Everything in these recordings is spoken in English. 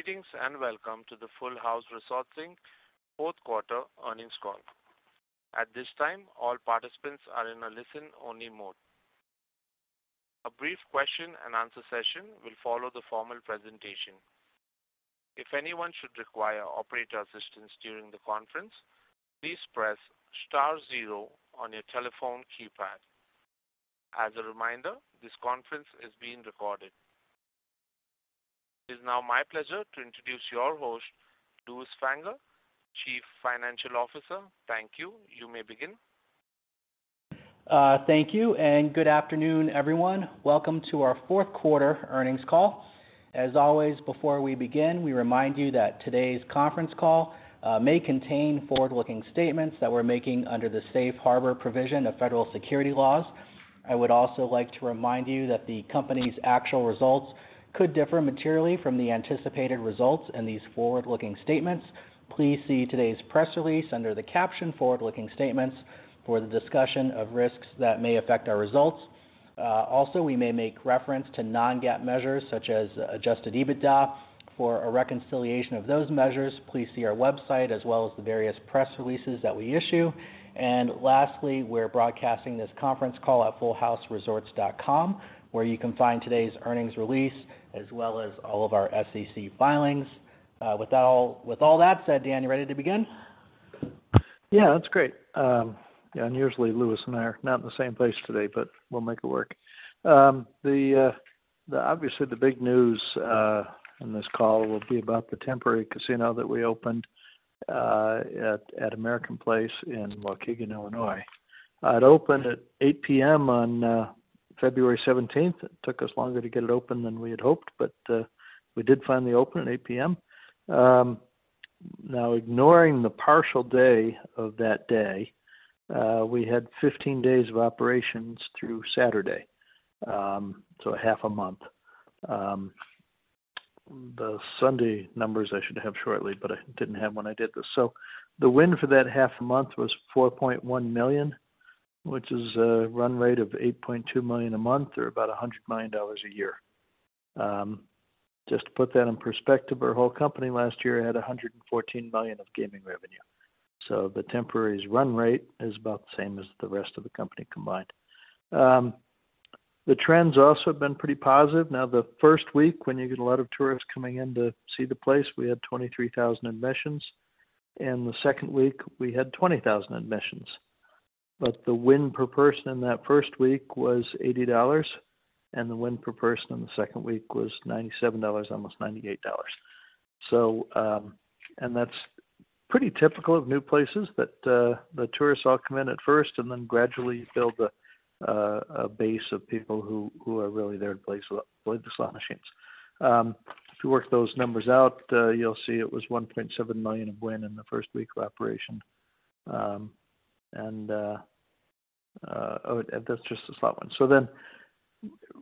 Greetings, welcome to the Full House Resorts, Inc. fourth quarter earnings call. At this time, all participants are in a listen-only mode. A brief question-and-answer session will follow the formal presentation. If anyone should require operator assistance during the conference, please press star zero on your telephone keypad. As a reminder, this conference is being recorded. It is now my pleasure to introduce your host, Lewis Fanger, Chief Financial Officer. Thank you. You may begin. Thank you. Good afternoon, everyone. Welcome to our fourth quarter earnings call. As always, before we begin, we remind you that today's conference call may contain forward-looking statements that we're making under the Safe Harbor provision of federal securities laws. I would also like to remind you that the company's actual results could differ materially from the anticipated results in these forward-looking statements. Please see today's press release under the caption Forward-looking Statements for the discussion of risks that may affect our results. Also, we may make reference to non-GAAP measures such as Adjusted EBITDA. For a reconciliation of those measures, please see our website as well as the various press releases that we issue. Lastly, we're broadcasting this conference call at fullhouseresorts.com, where you can find today's earnings release as well as all of our SEC filings. With that all. With all that said, Dan, you ready to begin? Yeah, that's great. Yeah, usually Lewis and I are not in the same place today, but we'll make it work. Obviously the big news on this call will be about the temporary casino that we opened at American Place in Waukegan, Illinois. It opened at 8:00 P.M. on February 17th. It took us longer to get it open than we had hoped, but we did finally open at 8:00 P.M. Now ignoring the partial day of that day, we had 15 days of operations through Saturday. So half a month. The Sunday numbers I should have shortly, but I didn't have when I did this. The win for that half a month was $4.1 million, which is a run rate of $8.2 million a month or about $100 million a year. Just to put that in perspective, our whole company last year had $114 million of gaming revenue. The Temporary's run rate is about the same as the rest of the company combined. The trends also have been pretty positive. Now the first week when you get a lot of tourists coming in to see the place, we had 23,000 admissions. The second week we had 20,000 admissions. The win per person in that first week was $80, and the win per person in the second week was $97, almost $98. That's pretty typical of new places that the tourists all come in at first and then gradually you build a base of people who are really there to play the slot machines. If you work those numbers out, you'll see it was $1.7 million of win in the first week of operation. That's just the slot one.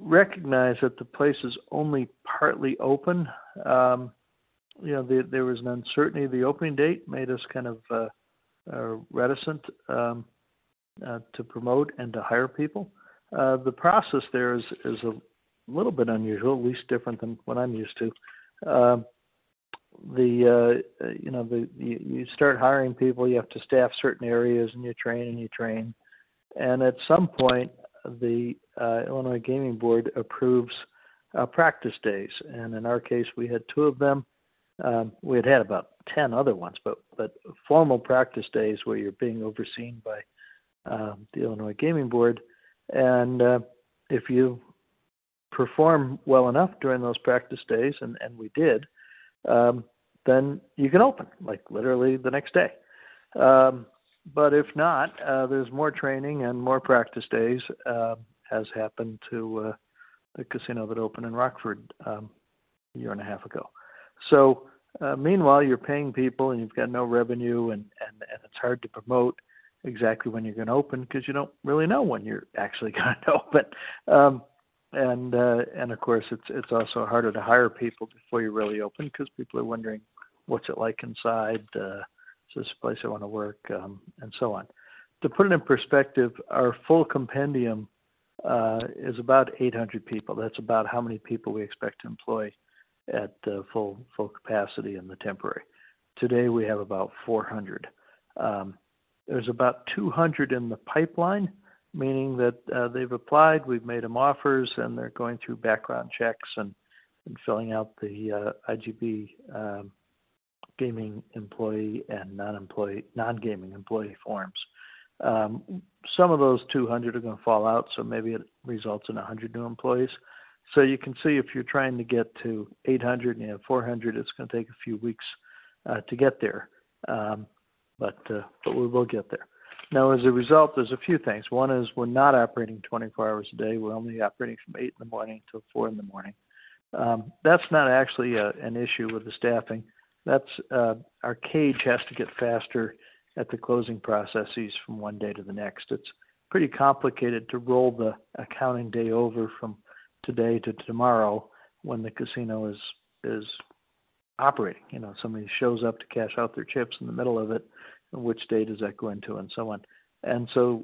Recognize that the place is only partly open. You know, there was an uncertainty. The opening date made us kind of reticent to promote and to hire people. The process there is a little bit unusual, at least different than what I'm used to. You know, you start hiring people. You have to staff certain areas and you train and you train. At some point, the Illinois Gaming Board approves practice days. In our case, we had two of them. We had had about 10 other ones, but formal practice days where you're being overseen by the Illinois Gaming Board. If you perform well enough during those practice days, and we did, then you can open, like, literally the next day. But if not, there's more training and more practice days, as happened to the casino that opened in Rockford a year and a half ago. Meanwhile, you're paying people and you've got no revenue and it's hard to promote exactly when you're gonna open because you don't really know when you're actually gonna open. Of course it's also harder to hire people before you're really open because people are wondering what's it like inside, is this a place I wanna work, and so on. To put it in perspective, our full compendium is about 800 people. That's about how many people we expect to employ at full capacity in the temporary. Today we have about 400. There's about 200 in the pipeline, meaning that they've applied, we've made them offers, and they're going through background checks and filling out the IGB gaming employee and non-gaming employee forms. Some of those 200 are gonna fall out, so maybe it results in 100 new employees. You can see if you're trying to get to 800 and you have 400, it's gonna take a few weeks to get there. We will get there. As a result, there's a few things. One is we're not operating 24 hours a day. We're only operating from 8:00 A.M. till 4:00 A.M. That's not actually an issue with the staffing. That's our cage has to get faster at the closing processes from one day to the next. It's pretty complicated to roll the accounting day over from today to tomorrow when the casino is operating. You know, somebody shows up to cash out their chips in the middle of it, and which state is that going to, and so on.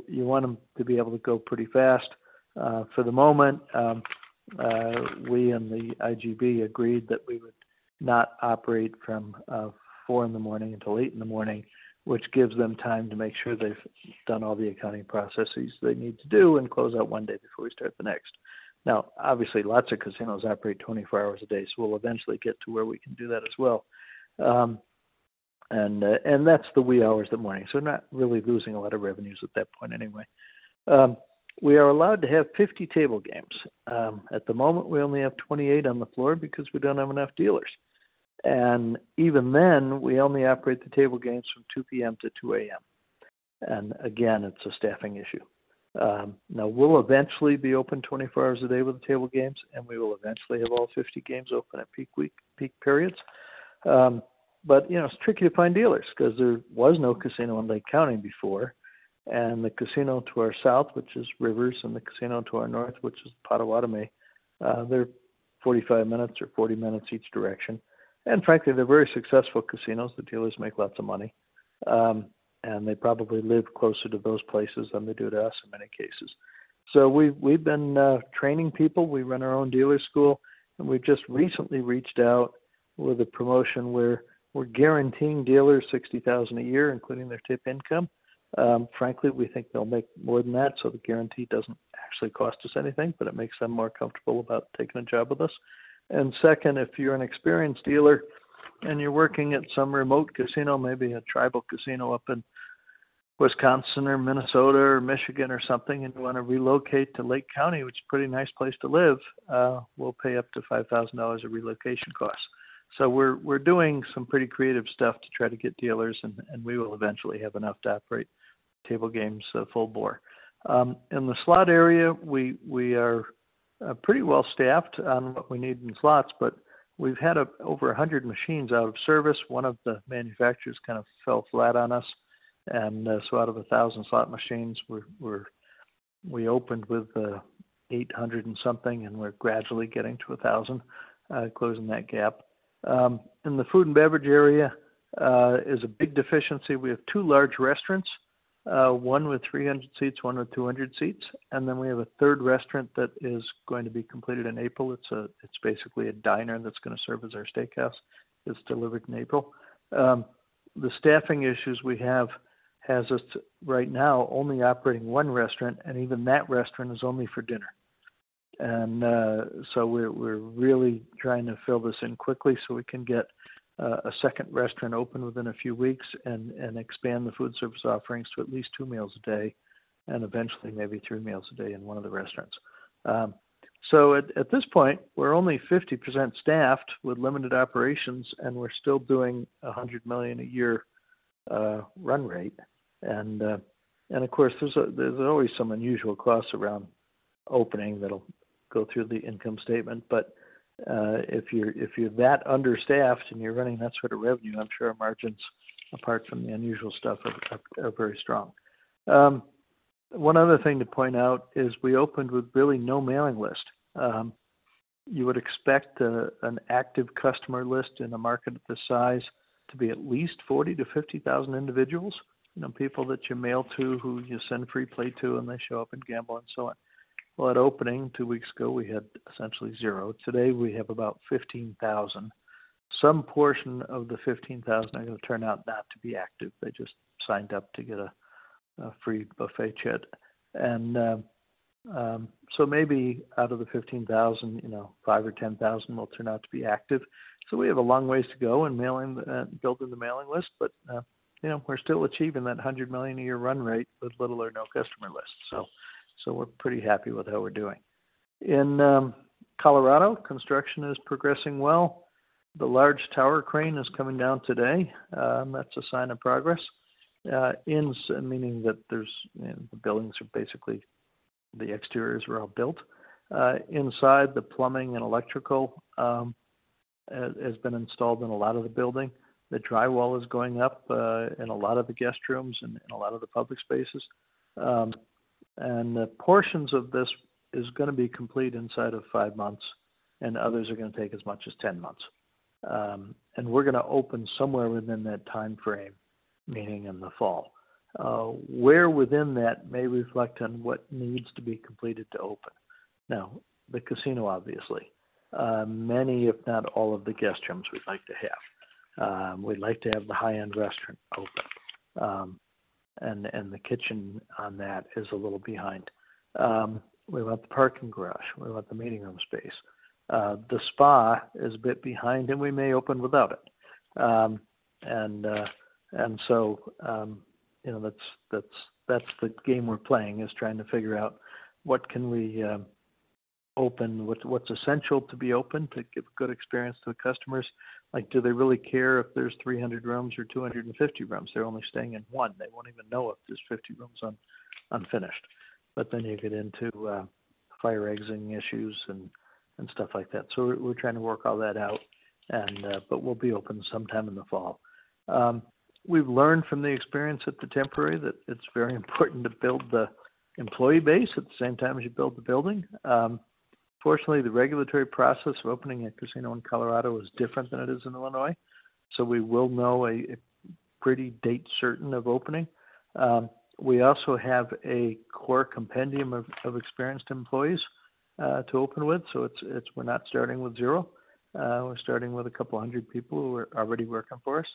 You want them to be able to go pretty fast. For the moment, we and the IGB agreed that we would not operate from four in the morning until eight in the morning, which gives them time to make sure they've done all the accounting processes they need to do and close out one day before we start the next. Obviously, lots of casinos operate 24 hours a day, so we'll eventually get to where we can do that as well. That, and that's the wee hours of the morning, so we're not really losing a lot of revenues at that point anyway. We are allowed to have 50 table games. At the moment, we only have 28 on the floor because we don't have enough dealers. Even then, we only operate the table games from 2:00 P.M. to 2:00 A.M. Again, it's a staffing issue. Now we'll eventually be open 24 hours a day with the table games, and we will eventually have all 50 games open at peak periods. You know, it's tricky to find dealers 'cause there was no casino in Lake County before. The casino to our south, which is Rivers, and the casino to our north, which is Potawatomi, they're 45 minutes or 40 minutes each direction. Frankly, they're very successful casinos. The dealers make lots of money. They probably live closer to those places than they do to us in many cases. We've been training people. We run our own dealer school, and we've just recently reached out with a promotion where we're guaranteeing dealers $60,000 a year, including their tip income. Frankly, we think they'll make more than that, so the guarantee doesn't actually cost us anything, but it makes them more comfortable about taking a job with us. Second, if you're an experienced dealer and you're working at some remote casino, maybe a tribal casino up in Wisconsin or Minnesota or Michigan or something, and you wanna relocate to Lake County, which is a pretty nice place to live, we'll pay up to $5,000 a relocation cost. We're doing some pretty creative stuff to try to get dealers and we will eventually have enough to operate table games, full-board. In the slot area, we are pretty well-staffed on what we need in slots, but we've had over 100 machines out of service. One of the manufacturers kind of fell flat on us. Out of 1,000 slot machines, we opened with 800 and something, and we're gradually getting to 1,000, closing that gap. In the food and beverage area is a big deficiency. We have two large restaurants, one with 300 seats, one with 200 seats, and then we have a third restaurant that is going to be completed in April. It's basically a diner that's gonna serve as our steakhouse. It's delivered in April. The staffing issues we have has us right now only operating one restaurant, and even that restaurant is only for dinner. So we're really trying to fill this in quickly, so we can get a second restaurant open within a few weeks and expand the food service offerings to at least two meals a day and eventually maybe three meals a day in one of the restaurants. So at this point, we're only 50% staffed with limited operations, and we're still doing a $100 million a year run rate. Of course, there's always some unusual costs around opening that'll go through the income statement. If you're that understaffed and you're running that sort of revenue, I'm sure our margins, apart from the unusual stuff, are very strong. One other thing to point out is we opened with really no mailing list. You would expect an active customer list in a market of this size to be at least 40,000-50,000 individuals. You know, people that you mail to, who you send free play to, and they show up and gamble and so on. Well, at opening two weeks ago, we had essentially zero. Today, we have about 15,000. Some portion of the 15,000 are gonna turn out not to be active. They just signed up to get a free buffet chit. So maybe out of the 15,000, you know, 5,000 or 10,000 will turn out to be active. So we have a long ways to go in building the mailing list. You know, we're still achieving that $100 million a year run rate with little or no customer list. We're pretty happy with how we're doing. In Colorado, construction is progressing well. The large tower crane is coming down today. That's a sign of progress. Meaning that there's, you know, the buildings are basically, the exteriors are all built. Inside, the plumbing and electrical has been installed in a lot of the building. The drywall is going up in a lot of the guest rooms and in a lot of the public spaces. Portions of this is gonna be complete inside of five months, and others are gonna take as much as 10 months. We're gonna open somewhere within that timeframe, meaning in the fall. Where within that may reflect on what needs to be completed to open. Now, the casino, obviously. Many, if not all of the guest rooms we'd like to have. We'd like to have the high-end restaurant open. The kitchen on that is a little behind. We want the parking garage. We want the meeting room space. The spa is a bit behind, and we may open without it. You know, that's the game we're playing, is trying to figure out what can we open, what's essential to be open to give a good experience to the customers. Like, do they really care if there's 300 rooms or 250 rooms? They're only staying in one. They won't even know if there's 50 rooms un-unfinished. You get into fire exiting issues and stuff like that. We're trying to work all that out and we'll be open sometime in the fall. We've learned from the experience at The Temporary that it's very important to build the employee base at the same time as you build the building. Fortunately, the regulatory process of opening a casino in Colorado is different than it is in Illinois. We will know Pretty date certain of opening. We also have a core compendium of experienced employees to open with. We're not starting with zero. We're starting with a couple 100 people who are already working for us.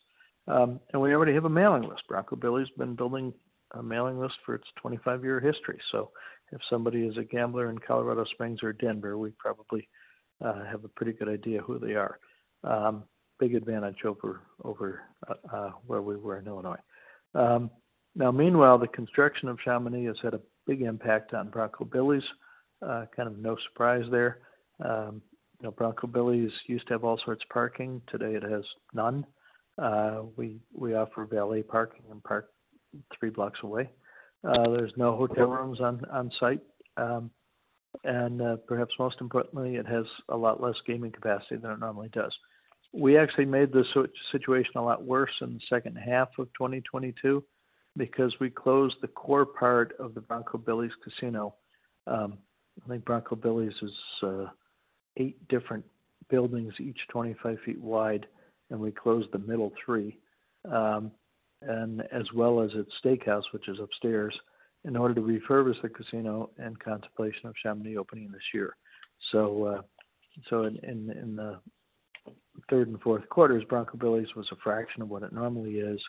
We already have a mailing list. Bronco Billy's been building a mailing list for its 25-year history. If somebody is a gambler in Colorado Springs or Denver, we probably have a pretty good idea who they are. Big advantage over where we were in Illinois. Now meanwhile, the construction of Chamonix has had a big impact on Bronco Billy's, kind of no surprise there. You know, Bronco Billy's used to have all sorts of parking. Today, it has none. We offer valet parking and park three blocks away. There's no hotel rooms on site. Perhaps most importantly, it has a lot less gaming capacity than it normally does. We actually made the situation a lot worse in the second half of 2022 because we closed the core part of the Bronco Billy's Casino. Bronco Billy's is eight different buildings, each 25 feet wide, and we closed the middle three, and as well as its steakhouse, which is upstairs, in order to refurbish the casino and contemplation of Chamonix opening this year. In the third and fourth quarters, Bronco Billy's was a fraction of what it normally is,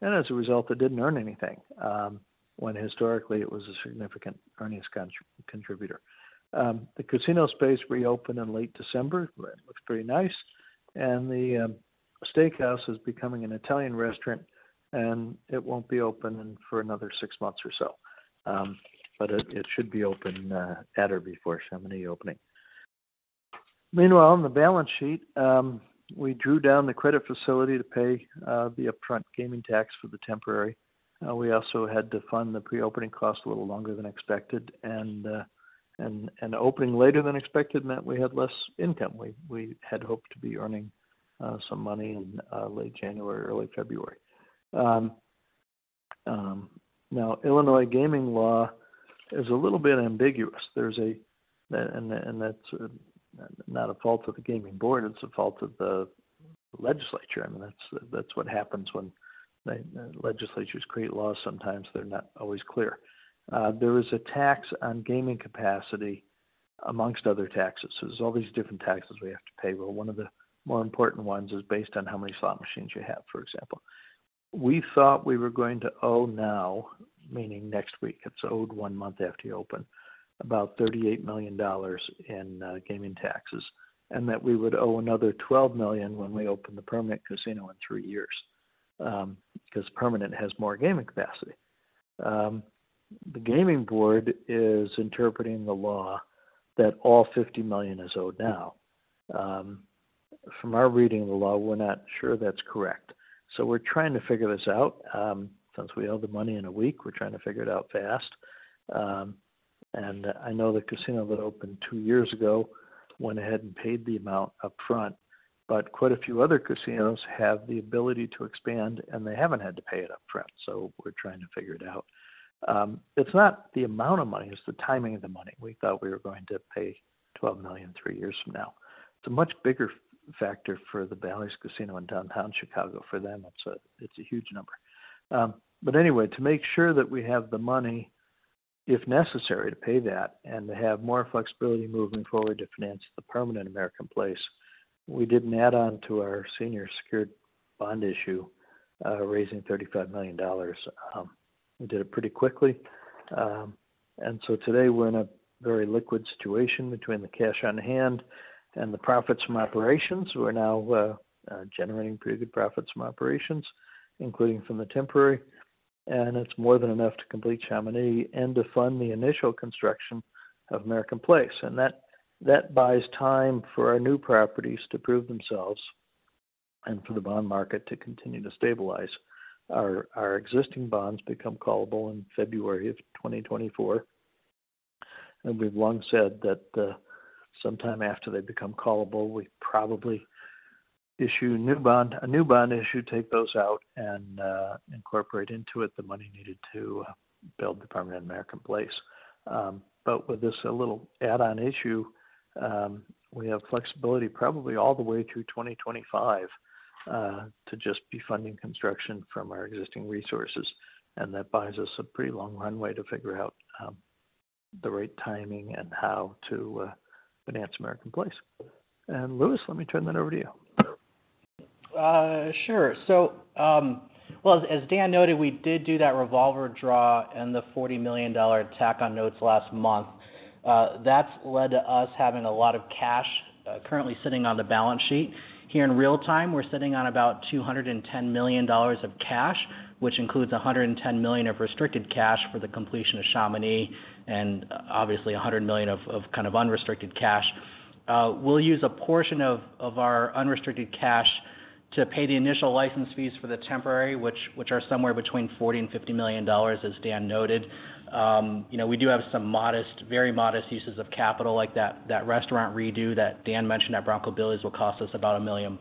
and as a result, it didn't earn anything, when historically it was a significant earnings contributor. The casino space reopened in late December. It looks pretty nice. The steakhouse is becoming an Italian restaurant, and it won't be open for another six months or so. It should be open at or before Chamonix opening. Meanwhile, on the balance sheet, we drew down the credit facility to pay the upfront gaming tax for the temporary. We also had to fund the pre-opening cost a little longer than expected, and opening later than expected meant we had less income. We had hoped to be earning some money in late January, early February. Now Illinois gaming law is a little bit ambiguous. And that's not a fault of the Gaming Board, it's a fault of the legislature. I mean, that's what happens when legislatures create laws. Sometimes they're not always clear. There is a tax on gaming capacity amongst other taxes. There's all these different taxes we have to pay. Well, one of the more important ones is based on how many slot machines you have, for example. We thought we were going to owe now, meaning next week, it's owed 1 month after you open, about $38 million in gaming taxes. We would owe another $12 million when we open the permanent casino in three years because permanent has more gaming capacity. The gaming board is interpreting the law that all $50 million is owed now. From our reading of the law, we're not sure that's correct. We're trying to figure this out. Since we owe the money in one week, we're trying to figure it out fast. I know the casino that opened two years ago went ahead and paid the amount up front. Quite a few other casinos have the ability to expand, and they haven't had to pay it up front. We're trying to figure it out. It's not the amount of money, it's the timing of the money. We thought we were going to pay $12 million three years from now. It's a much bigger factor for the Bally's Casino in downtown Chicago. For them, it's a huge number. To make sure that we have the money, if necessary, to pay that and to have more flexibility moving forward to finance the permanent American Place, we did an add-on to our senior secured bond issue, raising $35 million. We did it pretty quickly. Today, we're in a very liquid situation between the cash on hand and the profits from operations. We're now generating pretty good profits from operations, including from the temporary, and it's more than enough to complete Chamonix and to fund the initial construction of American Place. That buys time for our new properties to prove themselves and for the bond market to continue to stabilize. Our existing bonds become callable in February of 2024. We've long said that sometime after they become callable, we probably issue a new bond issue, take those out and incorporate into it the money needed to build the permanent American Place. But with this a little add-on issue, we have flexibility probably all the way through 2025 to just be funding construction from our existing resources. That buys us a pretty long runway to figure out the right timing and how to finance American Place. Lewis, let me turn that over to you. As Dan noted, we did do that revolver draw and the $40 million tack on notes last month. That's led to us having a lot of cash currently sitting on the balance sheet. Here in real time, we're sitting on about $210 million of cash, which includes $110 million of restricted cash for the completion of Chamonix and obviously $100 million of kind of unrestricted cash. We'll use a portion of our unrestricted cash to pay the initial license fees for the temporary, which are somewhere between $40 million-$50 million, as Dan noted. You know, we do have some modest, very modest uses of capital like that restaurant redo that Dan mentioned at Bronco Billy's will cost us about $1 million.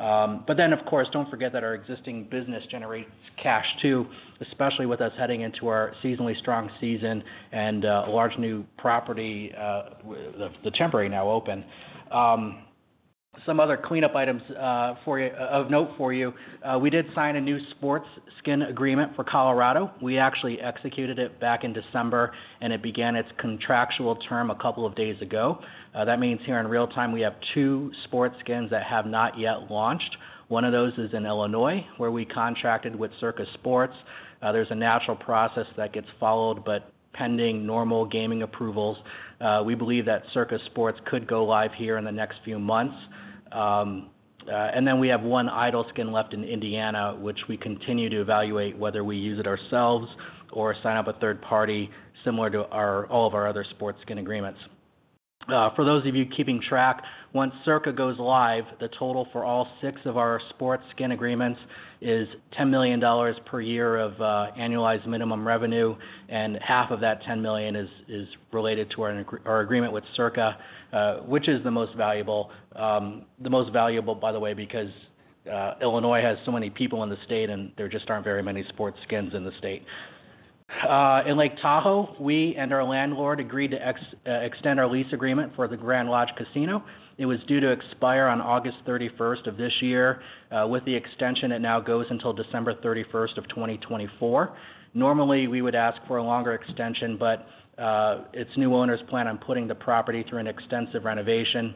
Of course, don't forget that our existing business generates cash too, especially with us heading into our seasonally strong season and a large new property, The Temporary now open. Some other cleanup items of note for you. We did sign a new sports skin agreement for Colorado. We actually executed it back in December, and it began its contractual term a couple of days ago. That means here in real-time, we have two sports skins that have not yet launched. One of those is in Illinois, where we contracted with Circa Sports. There's a natural process that gets followed, but pending normal gaming approvals, we believe that Circa Sports could go live here in the next few months. Then we have one idle skin left in Indiana, which we continue to evaluate whether we use it ourselves or sign up a third party similar to all of our other sports skin agreements. For those of you keeping track, once Circa goes live, the total for all six of our sports skin agreements is $10 million per year of annualized minimum revenue, and half of that $10 million is related to our agreement with Circa, which is the most valuable. The most valuable, by the way, because Illinois has so many people in the state, and there just aren't very many sports skins in the state. In Lake Tahoe, we and our landlord agreed to extend our lease agreement for the Grand Lodge Casino. It was due to expire on August 31st of this year. With the extension, it now goes until December 31st of 2024. Normally, we would ask for a longer extension. Its new owners plan on putting the property through an extensive renovation.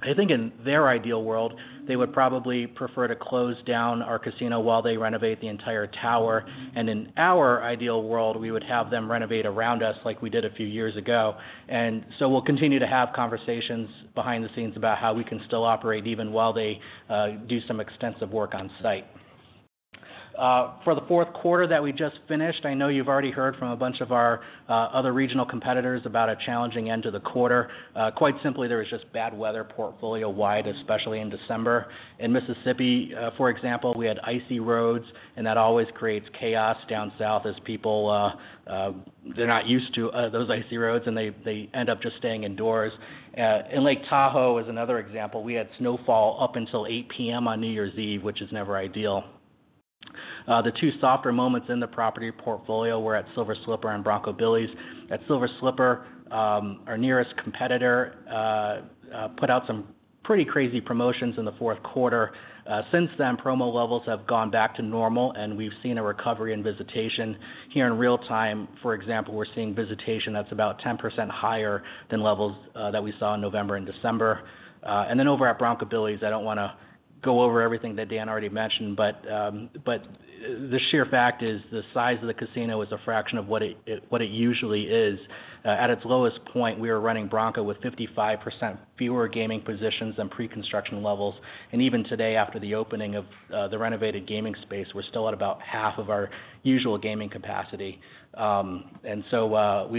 I think in their ideal world, they would probably prefer to close down our casino while they renovate the entire tower. In our ideal world, we would have them renovate around us like we did a few years ago. We'll continue to have conversations behind the scenes about how we can still operate even while they do some extensive work on site. For the fourth quarter that we just finished, I know you've already heard from a bunch of our other regional competitors about a challenging end to the quarter. Quite simply, there was just bad weather portfolio-wide, especially in December. In Mississippi, for example, we had icy roads, and that always creates chaos down south as people, they're not used to those icy roads, and they end up just staying indoors. Lake Tahoe is another example. We had snowfall up until 8:00 P.M. on New Year's Eve, which is never ideal. The two softer moments in the property portfolio were at Silver Slipper and Bronco Billy's. At Silver Slipper, our nearest competitor put out some pretty crazy promotions in the fourth quarter. Since then, promo levels have gone back to normal, and we've seen a recovery in visitation. Here in real-time, for example, we're seeing visitation that's about 10% higher than levels that we saw in November and December. Over at Bronco Billy's, I don't want to go over everything that Dan already mentioned, the sheer fact is the size of the casino is a fraction of what it usually is. At its lowest point, we were running Bronco with 55% fewer gaming positions than pre-construction levels. Even today, after the opening of the renovated gaming space, we're still at about half of our usual gaming capacity. We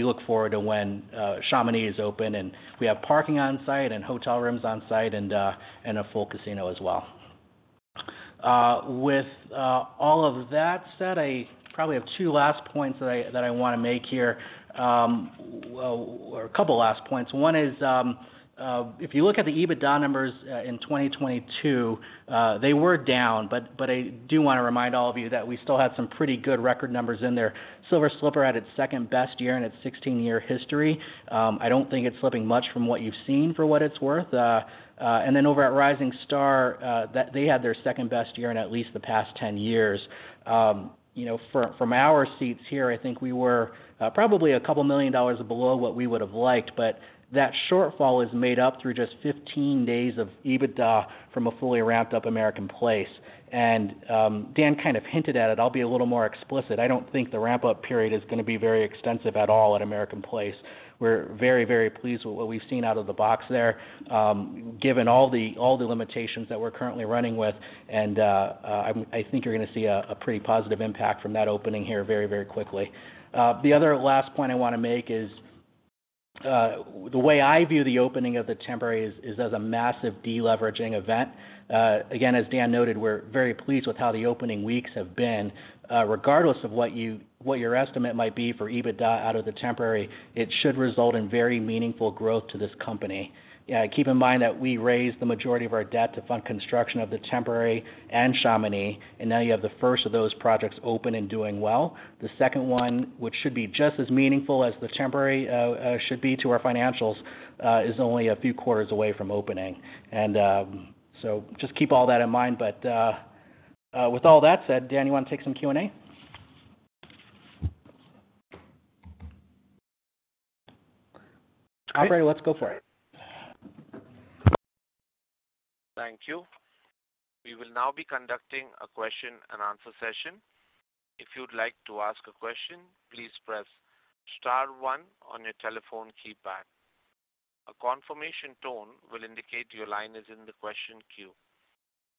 look forward to when Chamonix is open, we have parking on site and hotel rooms on site and a full casino as well. With all of that said, I probably have two last points that I want to make here, or a couple last points. One is, if you look at the EBITDA numbers, in 2022, they were down, but I do want to remind all of you that we still had some pretty good record numbers in there. Silver Slipper had its second-best year in its 16-year history. I don't think it's slipping much from what you've seen for what it's worth. Over at Rising Star, they had their second-best year in at least the past 10 years. You know, from our seats here, I think we were probably a couple million dollars below what we would have liked, but that shortfall is made up through just 15 days of EBITDA from a fully ramped up American Place. Dan kind of hinted at it. I'll be a little more explicit. I don't think the ramp-up period is going to be very extensive at all at American Place. We're very, very pleased with what we've seen out of the box there, given all the limitations that we're currently running with. I think you're going to see a pretty positive impact from that opening here very, very quickly. The other last point I want to make is the way I view the opening of the temporary is as a massive deleveraging event. Again, as Dan noted, we're very pleased with how the opening weeks have been. Regardless of what your estimate might be for EBITDA out of the temporary, it should result in very meaningful growth to this company. Keep in mind that we raised the majority of our debt to fund construction of The Temporary and Chamonix, now you have the first of those projects open and doing well. The second one, which should be just as meaningful as the Temporary, should be to our financials, is only a few quarters away from opening. Just keep all that in mind. With all that said, Dan, you want to take some Q&A? All right, let's go for it. Thank you. We will now be conducting a question-and-answer session. If you'd like to ask a question, please press star one on your telephone keypad. A confirmation tone will indicate your line is in the question queue.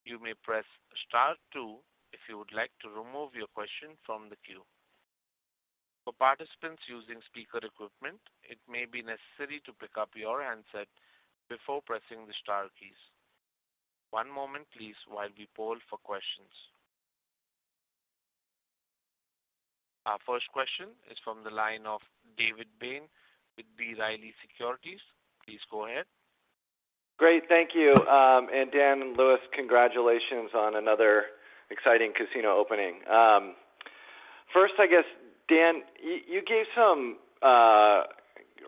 You may press star two if you would like to remove your question from the queue. For participants using speaker equipment, it may be necessary to pick up your handset before pressing the star keys. One moment, please, while we poll for questions. Our first question is from the line of David Bain with B. Riley Securities. Please go ahead. Great. Thank you. Dan and Lewis, congratulations on another exciting casino opening. First, I guess, Dan, you gave some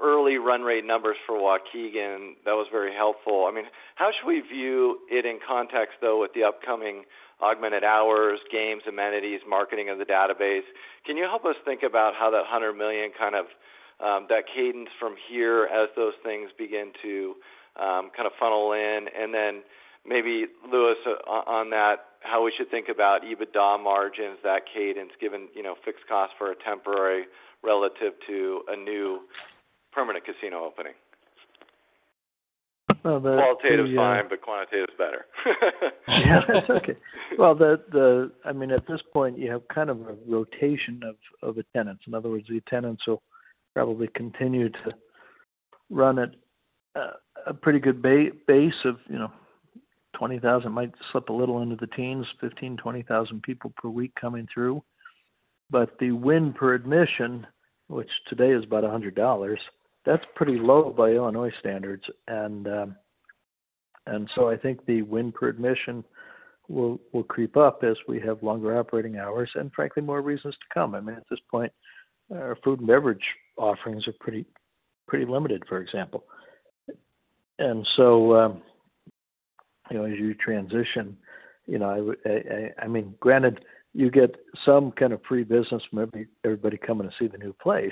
early run rate numbers for Waukegan. That was very helpful. I mean, how should we view it in context, though, with the upcoming augmented hours, games, amenities, marketing of the database? Can you help us think about how that $100 million kind of, that cadence from here as those things begin to kind of funnel in? Then maybe Lewis on that, how we should think about EBITDA margins, that cadence given, you know, fixed costs for a temporary relative to a new permanent casino opening. Well, Qualitative is fine, but quantitative is better. Yeah, that's okay. Well, I mean, at this point, you have kind of a rotation of the tenants. In other words, the tenants will probably continue to run at a pretty good base of, you know, 20,000, might slip a little into the teens, 15,000, 20,000 people per week coming through. The win per admission, which today is about $100, that's pretty low by Illinois standards. So I think the win per admission will creep up as we have longer operating hours and frankly, more reasons to come. I mean, at this point, our food and beverage offerings are pretty limited, for example. You know, as you transition, you know, I mean, granted, you get some kind of free business from everybody coming to see the new place,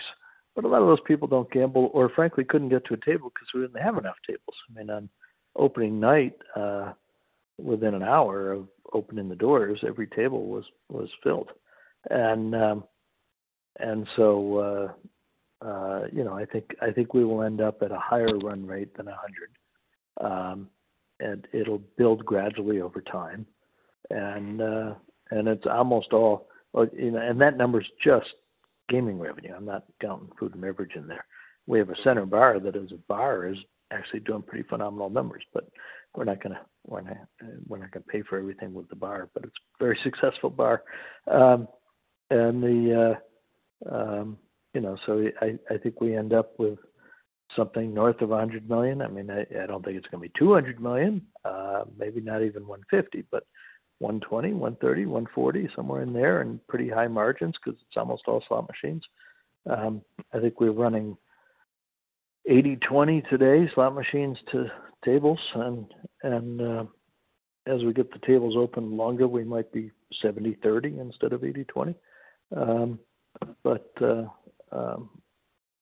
but a lot of those people don't gamble or frankly, couldn't get to a table because we didn't have enough tables. I mean, on opening night, within an hour of opening the doors, every table was filled. You know, I think we will end up at a higher run rate than 100. It'll build gradually over time. Well, you know, that number is just gaming revenue. I'm not counting food and beverage in there. We have a center bar that is a bar, is actually doing pretty phenomenal numbers. We're not gonna pay for everything with the bar. It's a very successful bar. you know, I think we end up with something north of $100 million. I mean, I don't think it's gonna be $200 million, maybe not even $150 million, but $120 million, $130 million, $140 million, somewhere in there, and pretty high margins because it's almost all slot machines. I think we're running 80/20 today, slot machines to tables. As we get the tables open longer, we might be 70/30 instead of 80/20.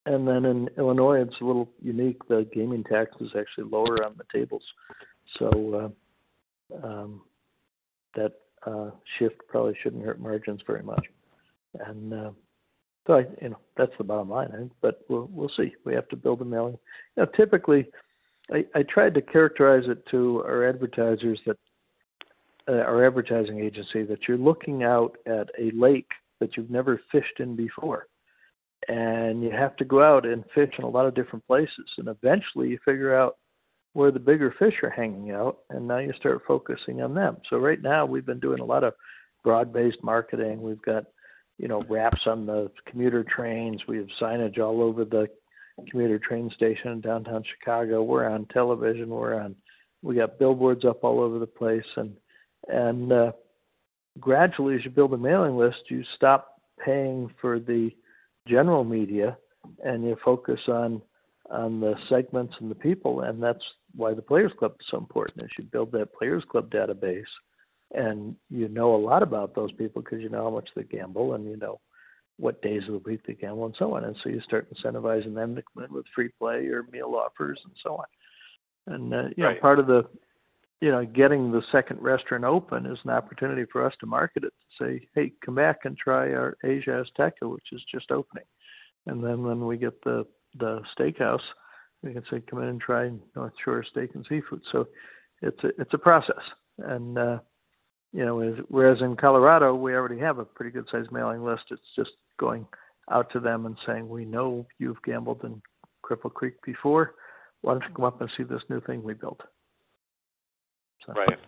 In Illinois, it's a little unique. The gaming tax is actually lower on the tables. That shift probably shouldn't hurt margins very much. I, you know, that's the bottom line. We'll see. We have to build the mailing. Typically, I tried to characterize it to our advertisers that our advertising agency, that you're looking out at a lake that you've never fished in before, and you have to go out and fish in a lot of different places, and eventually you figure out where the bigger fish are hanging out, and now you start focusing on them. Right now, we've been doing a lot of broad-based marketing. We've got, you know, wraps on the commuter trains. We have signage all over the commuter train station in downtown Chicago. We're on television, we got billboards up all over the place. Gradually, as you build a mailing list, you stop paying for the general media, and you focus on the segments and the people. That's why the players club is so important, as you build that players club database, and you know a lot about those people because you know how much they gamble, and you know what days of the week they gamble, and so on. So you start incentivizing them to come in with free play or meal offers and so on. Right. You know, part of the, you know, getting the second restaurant open is an opportunity for us to market it to say, "Hey, come back and try our Asia-Azteca," which is just opening. Then when we get the steakhouse, we can say, "Come in and try North Shore Steaks & Seafood." It's a process. You know, whereas in Colorado, we already have a pretty good sized mailing list. It's just going out to them and saying, "We know you've gambled in Cripple Creek before. Why don't you come up and see this new thing we built? Right.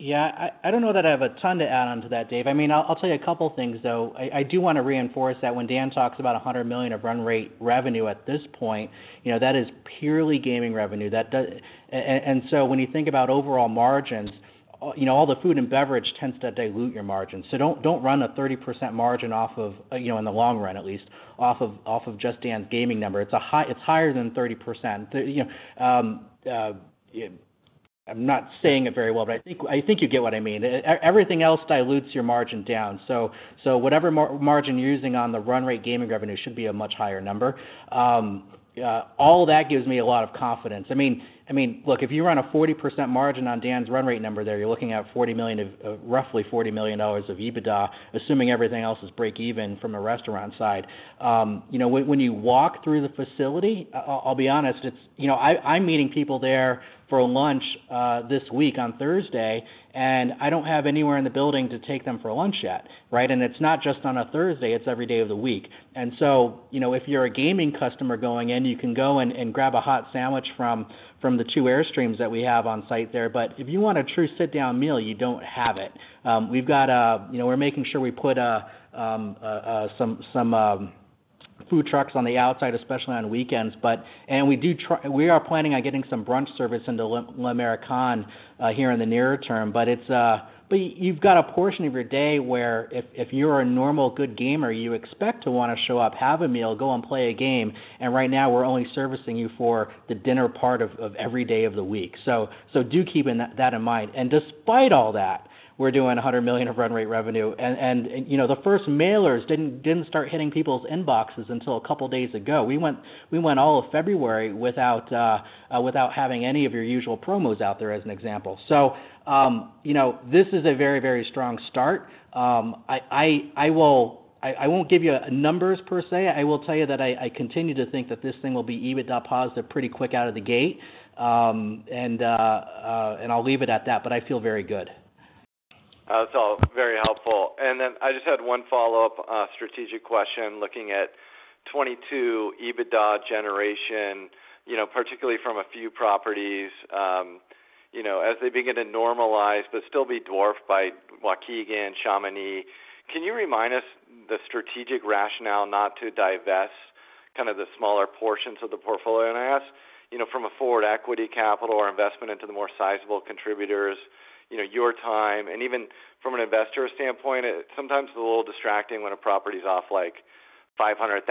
Yeah. I don't know that I have a ton to add on to that, Dave. I mean, I'll tell you a couple things, though. I do wanna reinforce that when Dan talks about $100 million of run rate revenue at this point, you know, that is purely gaming revenue. When you think about overall margins, you know, all the food and beverage tends to dilute your margins. Don't run a 30% margin off of, you know, in the long run, at least, off of just Dan's gaming number. It's higher than 30%. You know, I'm not saying it very well, but I think you get what I mean. Everything else dilutes your margin down. Whatever margin you're using on the run rate gaming revenue should be a much higher number. All that gives me a lot of confidence. I mean, look, if you run a 40% margin on Dan's run rate number there, you're looking at $40 million of roughly $40 million of EBITDA, assuming everything else is break even from a restaurant side. You know, when you walk through the facility, I'll be honest, it's. You know, I'm meeting people there for lunch this week on Thursday, and I don't have anywhere in the building to take them for lunch yet, right? It's not just on a Thursday, it's every day of the week. You know, if you're a gaming customer going in, you can go and grab a hot sandwich from the two Airstream that we have on site there. If you want a true sit down meal, you don't have it. We've got a, you know, we're making sure we put some food trucks on the outside, especially on weekends. We are planning on getting some brunch service into L'Américain here in the near term, but it's. You've got a portion of your day where if you're a normal, good gamer, you expect to wanna show up, have a meal, go and play a game. Right now, we're only servicing you for the dinner part of every day of the week. Do keep in that in mind. Despite all that, we're doing $100 million of run rate revenue. You know, the first mailers didn't start hitting people's inboxes until a couple days ago. We went all of February without having any of your usual promos out there as an example. You know, this is a very, very strong start. I won't give you numbers per se. I will tell you that I continue to think that this thing will be EBITDA positive pretty quick out of the gate. I'll leave it at that, but I feel very good. That's all very helpful. Then I just had one follow-up strategic question, looking at 2022 EBITDA generation, you know, particularly from a few properties, you know, as they begin to normalize, but still be dwarfed by Waukegan, Chamonix. Can you remind us the strategic rationale not to divest kind of the smaller portions of the portfolio? I ask, you know, from a forward equity capital or investment into the more sizable contributors, you know, your time, and even from an investor standpoint, it's sometimes a little distracting when a property is off, like, $500,000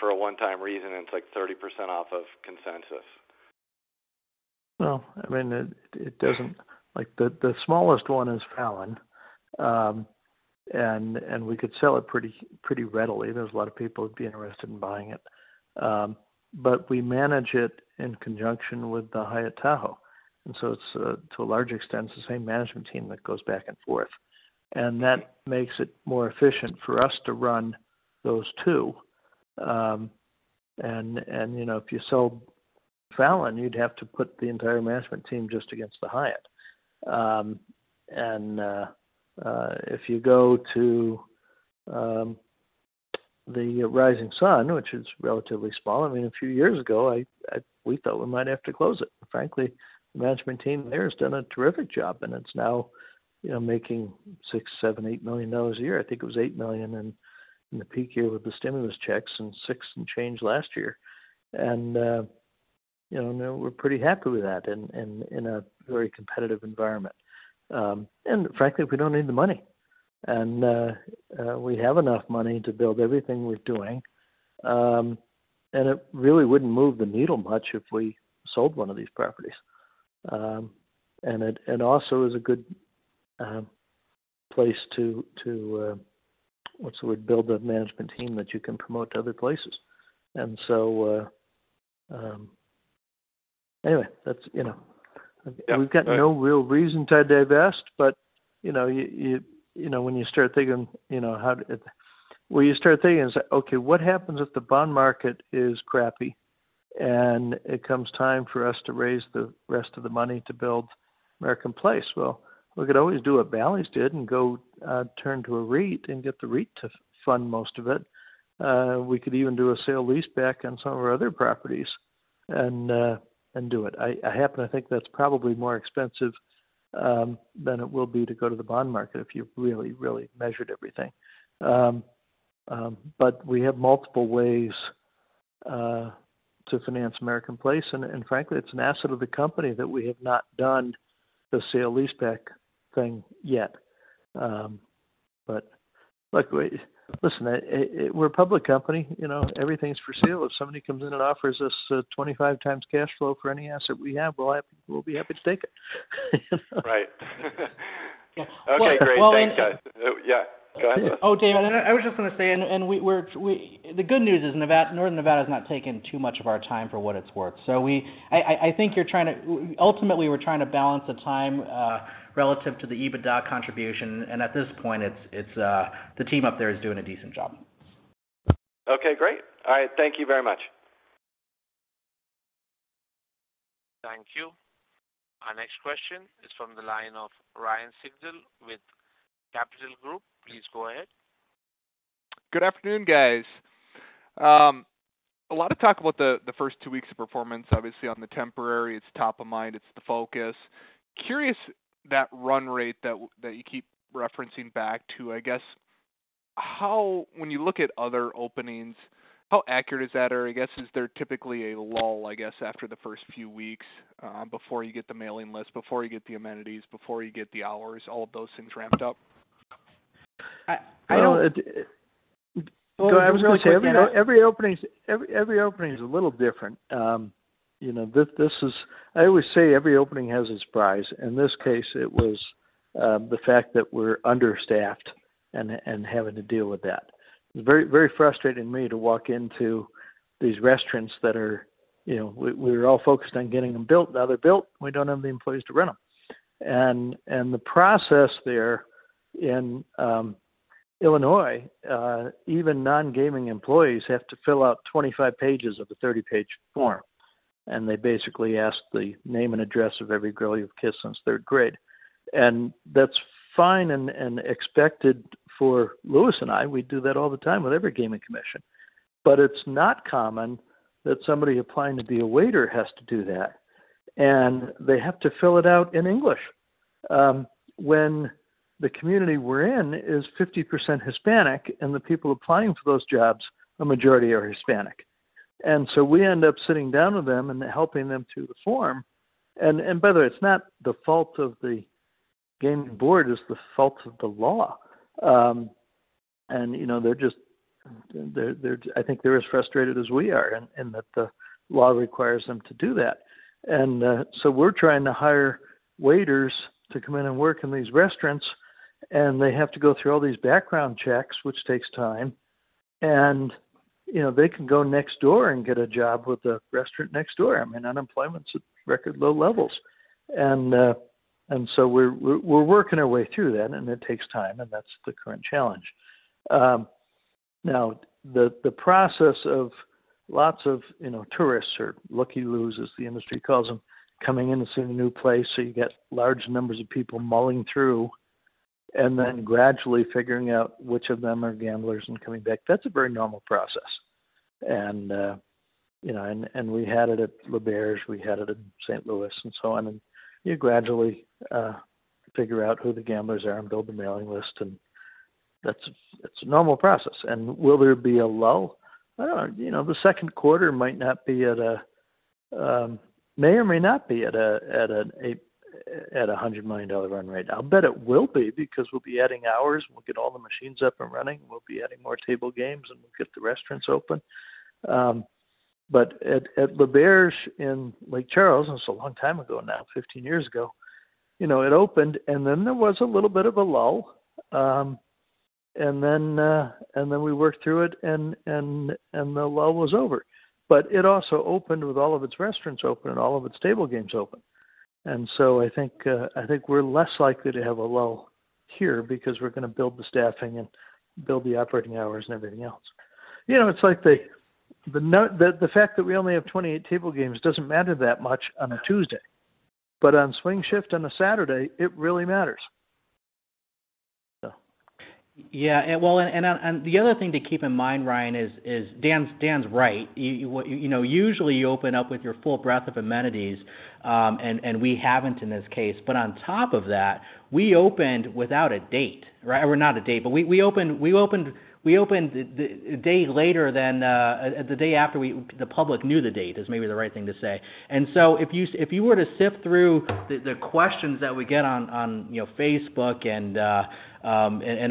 for a one-time reason, and it's like 30% off of consensus. Well, I mean, it doesn't... Like, the smallest one is Fallon. We could sell it pretty readily. There's a lot of people who'd be interested in buying it. We manage it in conjunction with the Hyatt Tahoe, and so it's, to a large extent, it's the same management team that goes back and forth. That makes it more efficient for us to run those two. You know, if you sold Fallon, you'd have to put the entire management team just against the Hyatt. If you go to the Rising Sun, which is relatively small, I mean, a few years ago, we thought we might have to close it. Frankly, the management team there has done a terrific job, and it's now, you know, making $6 million, $7 million, $8 million a year. I think it was $8 million in the peak year with the stimulus checks and $6 million and change last year. You know, now we're pretty happy with that in a very competitive environment. Frankly, we don't need the money. We have enough money to build everything we're doing, and it really wouldn't move the needle much if we sold one of these properties. It, and also is a good place to, what's the word? Build a management team that you can promote to other places. Anyway, that's, you know. Yeah. We've got no real reason to divest, you know, you know, when you start thinking, you know, what you start thinking is, okay, what happens if the bond market is crappy, and it comes time for us to raise the rest of the money to build American Place? We could always do what Bally's did and go, turn to a REIT and get the REIT to fund most of it. We could even do a sale-leaseback on some of our other properties and do it. I happen to think that's probably more expensive than it will be to go to the bond market if you really measured everything. We have multiple ways to finance American Place, and frankly, it's an asset of the company that we have not done the sale-leaseback thing yet. Luckily, listen, it, we're a public company, you know, everything's for sale. If somebody comes in and offers us a 25 times cash flow for any asset we have, we'll be happy to take it. Right. Yeah. Well. Okay, great. Thanks, guys. Yeah, go ahead. David, I was just going to say, and The good news is Nevada, Northern Nevada has not taken too much of our time for what it's worth. Ultimately, we're trying to balance the time relative to the EBITDA contribution, and at this point, it's the team up there is doing a decent job. Okay, great. All right. Thank you very much. Thank you. Our next question is from the line of Ryan Sigdahl with Craig-Hallum Capital Group. Please go ahead. Good afternoon, guys. A lot of talk about the first two weeks of performance, obviously, on The Temporary. It's top of mind. It's the focus. Curious, that run rate that you keep referencing back to, I guess, when you look at other openings, how accurate is that? Or I guess, is there typically a lull, I guess, after the first few weeks, before you get the mailing list, before you get the amenities, before you get the hours, all of those things ramped up? I don't- Well, it I was gonna say. Go ahead. Every opening is a little different. You know, this is. I always say every opening has its price. In this case, it was the fact that we're understaffed and having to deal with that. It's very frustrating me to walk into these restaurants that are, you know, we were all focused on getting them built. Now they're built, we don't have the employees to run them. The process there in Illinois, even non-gaming employees have to fill out 25 pages of a 30-page form, and they basically ask the name and address of every girl you've kissed since third grade. That's fine and expected for Lewis and I. We do that all the time with every gaming commission. It's not common that somebody applying to be a waiter has to do that, and they have to fill it out in English. When the community we're in is 50% Hispanic and the people applying for those jobs, a majority are Hispanic. We end up sitting down with them and helping them to reform. By the way, it's not the fault of the Gaming Board, it's the fault of the law. You know, they're just, I think they're as frustrated as we are in that the law requires them to do that. We're trying to hire waiters to come in and work in these restaurants, and they have to go through all these background checks, which takes time. You know, they can go next door and get a job with the restaurant next door. I mean, unemployment's at record low levels. We're working our way through that, and it takes time, and that's the current challenge. Now the process of lots of, you know, tourists are looky-loos, as the industry calls them, coming in to see a new place, so you get large numbers of people mulling through, and then gradually figuring out which of them are gamblers and coming back. That's a very normal process. you know, and we had it at L'Auberge, we had it at St. Louis, and so on. You gradually figure out who the gamblers are and build the mailing list, and that's, it's a normal process. Will there be a lull? You know, the second quarter might not be at a, may or may not be at a $100 million run rate. I'll bet it will be because we'll be adding hours, we'll get all the machines up and running, we'll be adding more table games, and we'll get the restaurants open. At L'Auberge in Lake Charles, and it's a long time ago now, 15 years ago, you know, it opened and then there was a little bit of a lull. And then we worked through it and the lull was over. It also opened with all of its restaurants open and all of its table games open. I think we're less likely to have a lull here because we're gonna build the staffing and build the operating hours and everything else. You know, it's like the fact that we only have 28 table games doesn't matter that much on a Tuesday, but on swing shift on a Saturday, it really matters. Yeah. Well, and the other thing to keep in mind, Ryan, is Dan's right. You know, usually you open up with your full breadth of amenities, and we haven't in this case. On top of that, we opened without a date, right? Or not a date, but we opened the day later than the day after we the public knew the date, is maybe the right thing to say. So if you were to sift through the questions that we get on, you know, Facebook and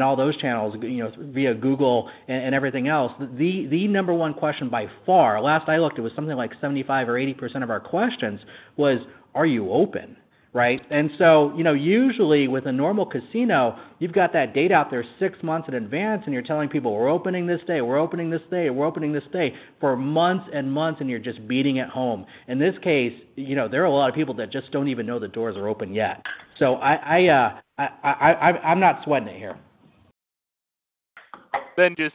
all those channels, you know, via Google and everything else, the number one question by far, last I looked, it was something like 75% or 80% of our questions was, "Are you open?" Right? You know, usually with a normal casino, you've got that date out there six months in advance, and you're telling people, "We're opening this day. We're opening this day. We're opening this day," for months and months, and you're just beating it home. In this case, you know, there are a lot of people that just don't even know the doors are open yet. I'm not sweating it here. Just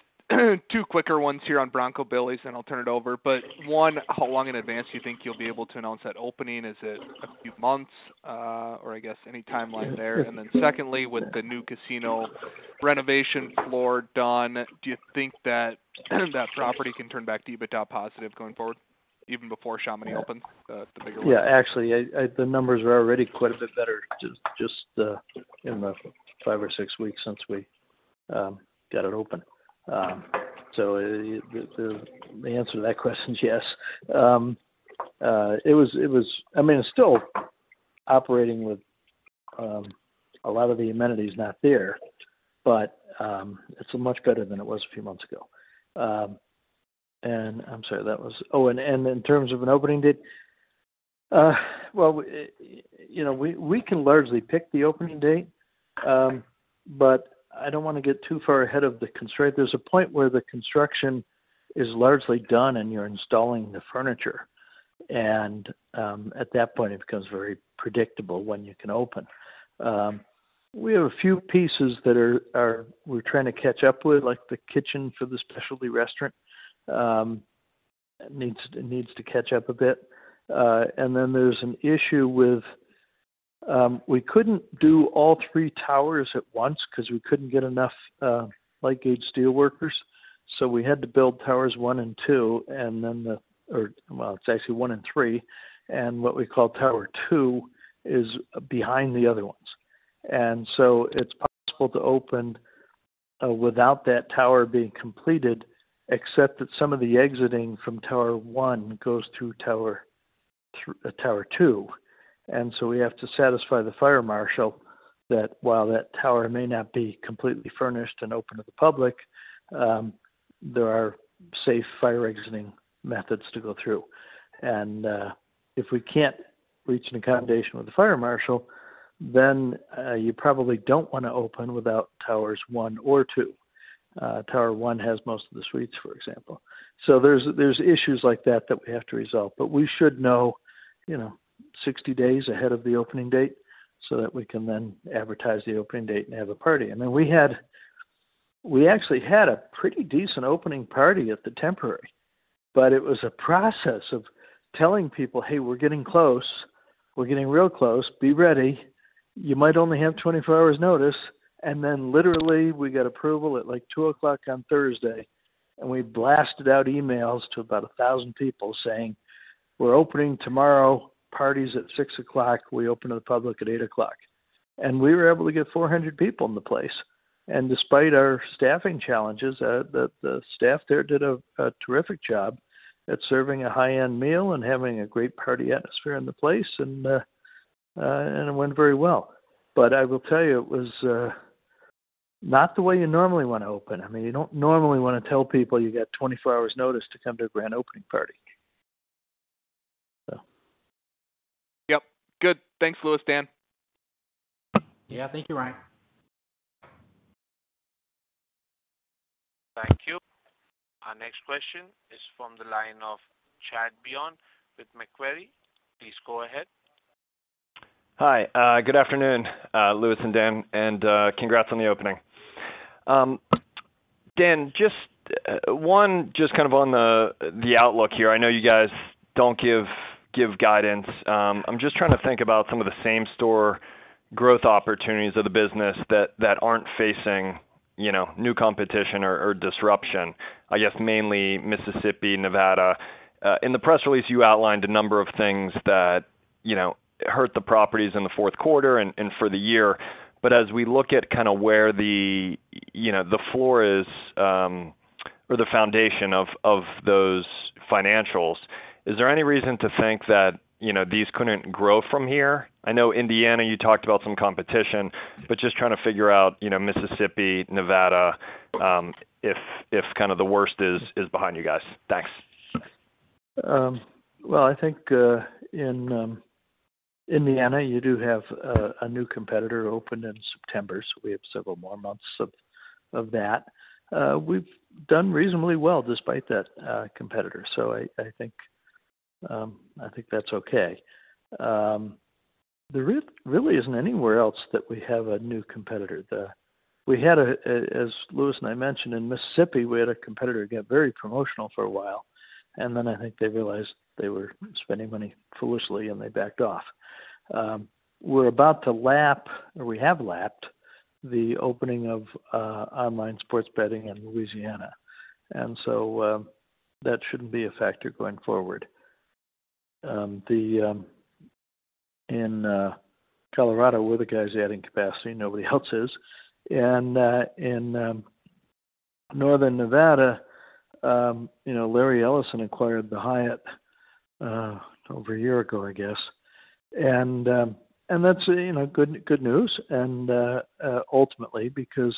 two quicker ones here on Bronco Billy's, and I'll turn it over. One, how long in advance do you think you'll be able to announce that opening? Is it a few months? Or I guess any timeline there. Secondly, with the new casino renovation floor done, do you think that that property can turn back to EBITDA positive going forward even before Chamonix opens? The bigger one. Yeah. Actually, I the numbers are already quite a bit better just in the five or six weeks since we got it open. The answer to that question is yes. I mean, it's still operating with a lot of the amenities not there, but it's much better than it was a few months ago. I'm sorry, that was. Oh, in terms of an opening date, well, you know, we can largely pick the opening date, but I don't want to get too far ahead of the. There's a point where the construction is largely done and you're installing the furniture. At that point it becomes very predictable when you can open. We have a few pieces that we're trying to catch up with, like the kitchen for the specialty restaurant, needs to catch up a bit. There's an issue with, we couldn't do all three towers at once 'cause we couldn't get enough light gauge steel workers, so we had to build towers one and two, it's actually one and three, and what we call tower two is behind the other ones. It's possible to open without that tower being completed, except that some of the exiting from tower one goes through tower two. We have to satisfy the fire marshal that while that tower may not be completely furnished and open to the public, there are safe fire exiting methods to go through. If we can't reach an accommodation with the fire marshal, you probably don't wanna open without towers one or two. Tower one has most of the suites, for example. There's issues like that that we have to resolve, but we should know, you know, 60 days ahead of the opening date so that we can then advertise the opening date and have a party. I mean, we actually had a pretty decent opening party at The Temporary, but it was a process of telling people, "Hey, we're getting close. We're getting real close. Be ready. You might only have 24 hours notice." Literally, we get approval at, like, 2:00 on Thursday. We blasted out emails to about 1,000 people saying, "We're opening tomorrow, party is at 6:00. We open to the public at 8:00. We were able to get 400 people in the place. Despite our staffing challenges, the staff there did a terrific job at serving a high-end meal and having a great party atmosphere in the place. It went very well. I will tell you, it was not the way you normally wanna open. I mean, you don't normally wanna tell people you get 24 hours notice to come to a grand opening party. Yep. Good. Thanks, Lewis, Dan. Yeah. Thank you, Ryan. Thank you. Our next question is from the line of Chad Beynon, with Macquarie. Please go ahead. Hi. Good afternoon, Lewis and Dan, and congrats on the opening. Dan, just one, just kind of on the outlook here. I know you guys don't give guidance. I'm just trying to think about some of the same store growth opportunities of the business that aren't facing, you know, new competition or disruption. I guess mainly Mississippi, Nevada. In the press release, you outlined a number of things that, you know, hurt the properties in the fourth quarter and for the year. As we look at kinda where the, you know, the floor is, or the foundation of those financials, is there any reason to think that, you know, these couldn't grow from here? I know Indiana, you talked about some competition, but just trying to figure out, you know, Mississippi, Nevada, if kind of the worst is behind you guys? Thanks. Well, I think in Indiana, you do have a new competitor opened in September, so we have several more months of that. We've done reasonably well despite that competitor. I think that's okay. There really isn't anywhere else that we have a new competitor. We had as Lewis and I mentioned, in Mississippi, we had a competitor get very promotional for a while, and then I think they realized they were spending money foolishly, and they backed off. We're about to lap, or we have lapped the opening of online sports betting in Louisiana. That shouldn't be a factor going forward. In Colorado, we're the guys adding capacity, nobody else is. In Northern Nevada, you know, Larry Ellison acquired the Hyatt over one year ago, I guess. That's, you know, good news, ultimately, because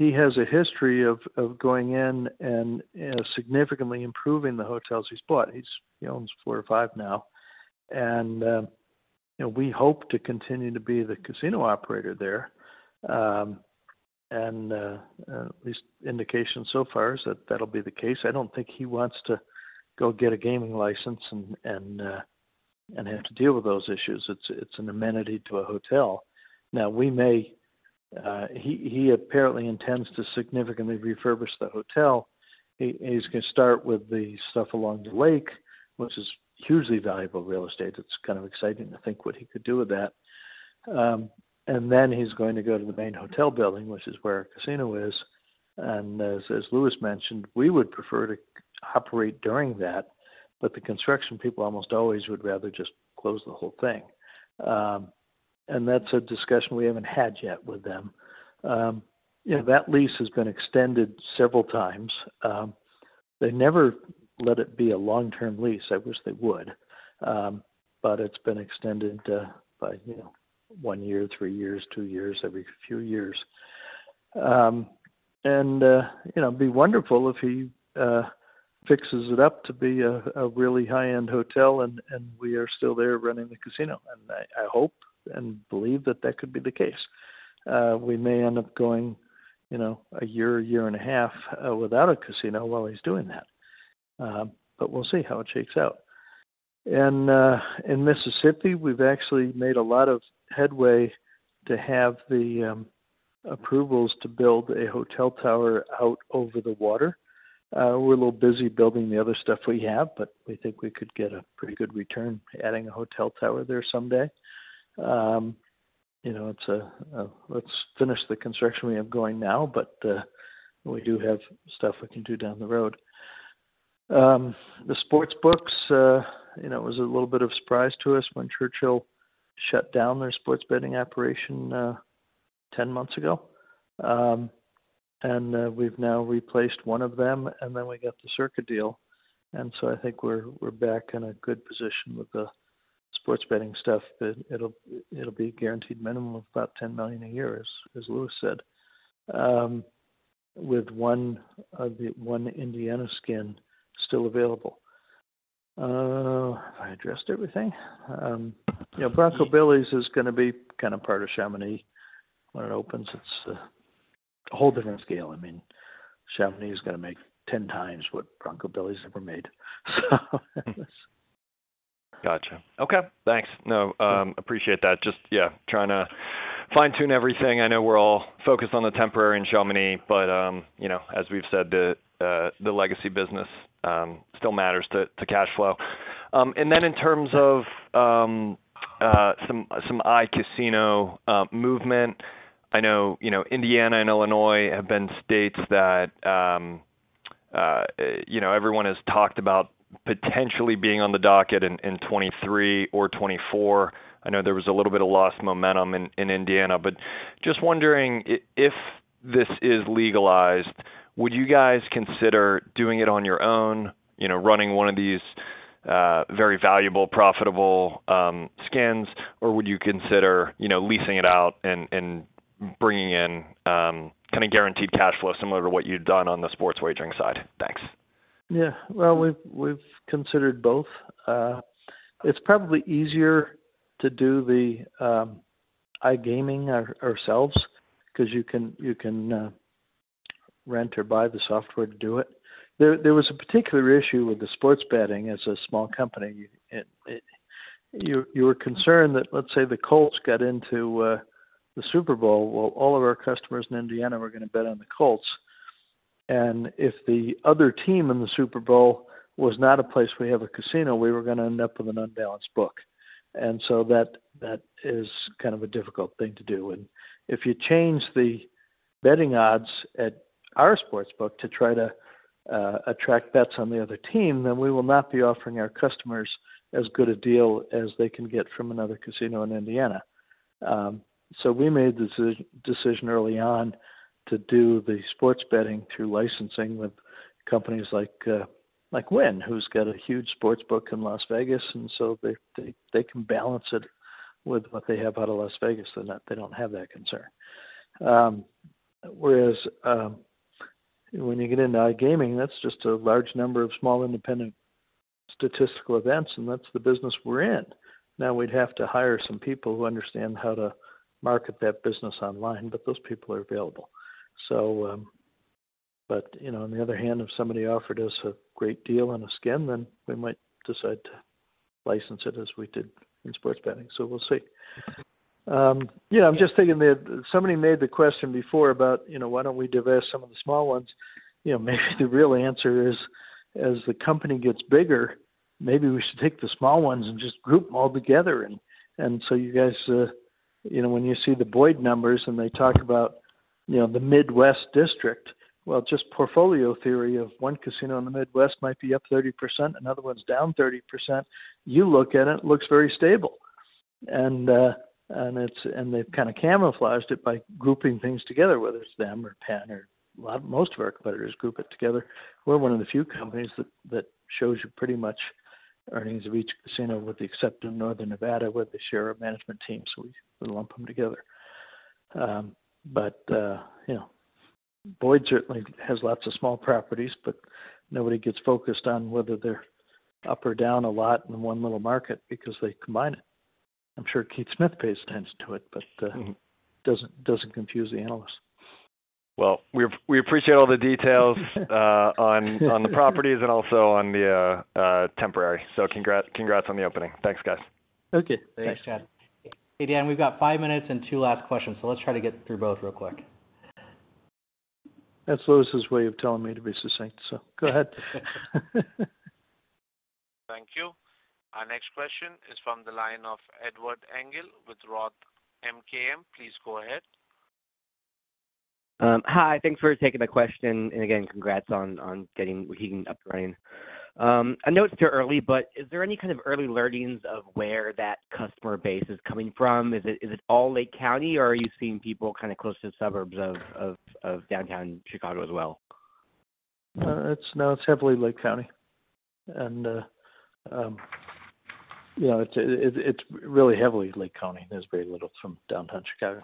he has a history of going in and, you know, significantly improving the hotels he's bought. He owns four or five now. You know, we hope to continue to be the casino operator there. His indication so far is that that'll be the case. I don't think he wants to go get a gaming license and have to deal with those issues. It's an amenity to a hotel. Now, we may. He apparently intends to significantly refurbish the hotel. He's gonna start with the stuff along the lake, which is hugely valuable real estate. It's kind of exciting to think what he could do with that. Then he's going to go to the main hotel building, which is where our casino is. As Lewis mentioned, we would prefer to operate during that, but the construction people almost always would rather just close the whole thing. That's a discussion we haven't had yet with them. You know, that lease has been extended several times. They never let it be a long-term lease. I wish they would. But it's been extended, by, you know, one year, three years, two years, every few years. You know, it'd be wonderful if he fixes it up to be a really high-end hotel and we are still there running the casino. I hope and believe that that could be the case. We may end up going, you know, a year, a year and a half without a casino while he's doing that. We'll see how it shakes out. In Mississippi, we've actually made a lot of headway to have the approvals to build a hotel tower out over the water. We're a little busy building the other stuff we have, but we think we could get a pretty good return adding a hotel tower there someday. You know, it's, let's finish the construction we have going now, but we do have stuff we can do down the road. The sports books, you know, it was a little bit of surprise to us when Churchill shut down their sports betting operation 10 months ago. We've now replaced one of them, and then we got the Circa deal. I think we're back in a good position with the sports betting stuff that it'll be a guaranteed minimum of about $10 million a year, as Lewis said. With one Indiana skin still available. Have I addressed everything? You know, Bronco Billy's is gonna be kinda part of Chamonix when it opens. It's a whole different scale. I mean, Chamonix is gonna make 10x what Bronco Billy's ever made. Gotcha. Okay. Thanks. No, appreciate that. Just, yeah, trying to fine-tune everything. I know we're all focused on The Temporary in Chamonix, but, you know, as we've said, the legacy business still matters to cash flow. In terms of some iCasino movement. I know, you know, Indiana and Illinois have been states that, you know, everyone has talked about potentially being on the docket in 2023 or 2024. I know there was a little bit of lost momentum in Indiana. Just wondering, if this is legalized, would you guys consider doing it on your own, you know, running one of these very valuable, profitable skins? Would you consider, you know, leasing it out and bringing in, kinda guaranteed cash flow similar to what you'd done on the sports wagering side? Thanks. Yeah. Well, we've considered both. It's probably easier to do the iGaming ourselves, 'cause you can rent or buy the software to do it. There was a particular issue with the sports betting as a small company. It... You were concerned that, let's say, the Colts got into the Super Bowl. Well, all of our customers in Indiana were gonna bet on the Colts. If the other team in the Super Bowl was not a place we have a casino, we were gonna end up with an unbalanced book. That is kind of a difficult thing to do. If you change the betting odds at our sports book to try to attract bets on the other team, then we will not be offering our customers as good a deal as they can get from another casino in Indiana. We made the decision early on to do the sports betting through licensing with companies like Wynn, who's got a huge sports book in Las Vegas, so they can balance it with what they have out of Las Vegas, so that they don't have that concern. When you get into iGaming, that's just a large number of small independent statistical events, and that's the business we're in. We'd have to hire some people who understand how to market that business online, but those people are available. But, you know, on the other hand, if somebody offered us a great deal on a skin, then we might decide to license it as we did in sports betting. We'll see. Yeah, I'm just thinking that somebody made the question before about, you know, why don't we divest some of the small ones? You know, maybe the real answer is, as the company gets bigger, maybe we should take the small ones and just group them all together. You guys, you know, when you see the Boyd numbers and they talk about, you know, the Midwest district, well, just portfolio theory of one casino in the Midwest might be up 30%, another one's down 30%. You look at it looks very stable. They've kinda camouflaged it by grouping things together, whether it's them or Penn or most of our competitors group it together. We're one of the few companies that shows you pretty much earnings of each casino with the exception of Northern Nevada, with the share of management teams. We lump them together. You know, Boyd certainly has lots of small properties, but nobody gets focused on whether they're up or down a lot in one little market because they combine it. I'm sure Keith Smith pays attention to it, but doesn't confuse the analyst. We appreciate all the details on the properties and also on the temporary. Congrats on the opening. Thanks, guys. Okay. Thanks. Thanks, Chad. Hey, Dan, we've got five minutes and two last questions. Let's try to get through both real quick. That's Lewis's way of telling me to be succinct. Go ahead. Thank you. Our next question is from the line of Edward Engel with ROTH MKM. Please go ahead. Hi. Thanks for taking the question. Again, congrats on getting Waukegan up and running. I know it's too early, is there any kind of early learnings of where that customer base is coming from? Is it all Lake County, or are you seeing people kinda close to the suburbs of downtown Chicago as well? No, it's heavily Lake County. You know, it's really heavily Lake County. There's very little from downtown Chicago,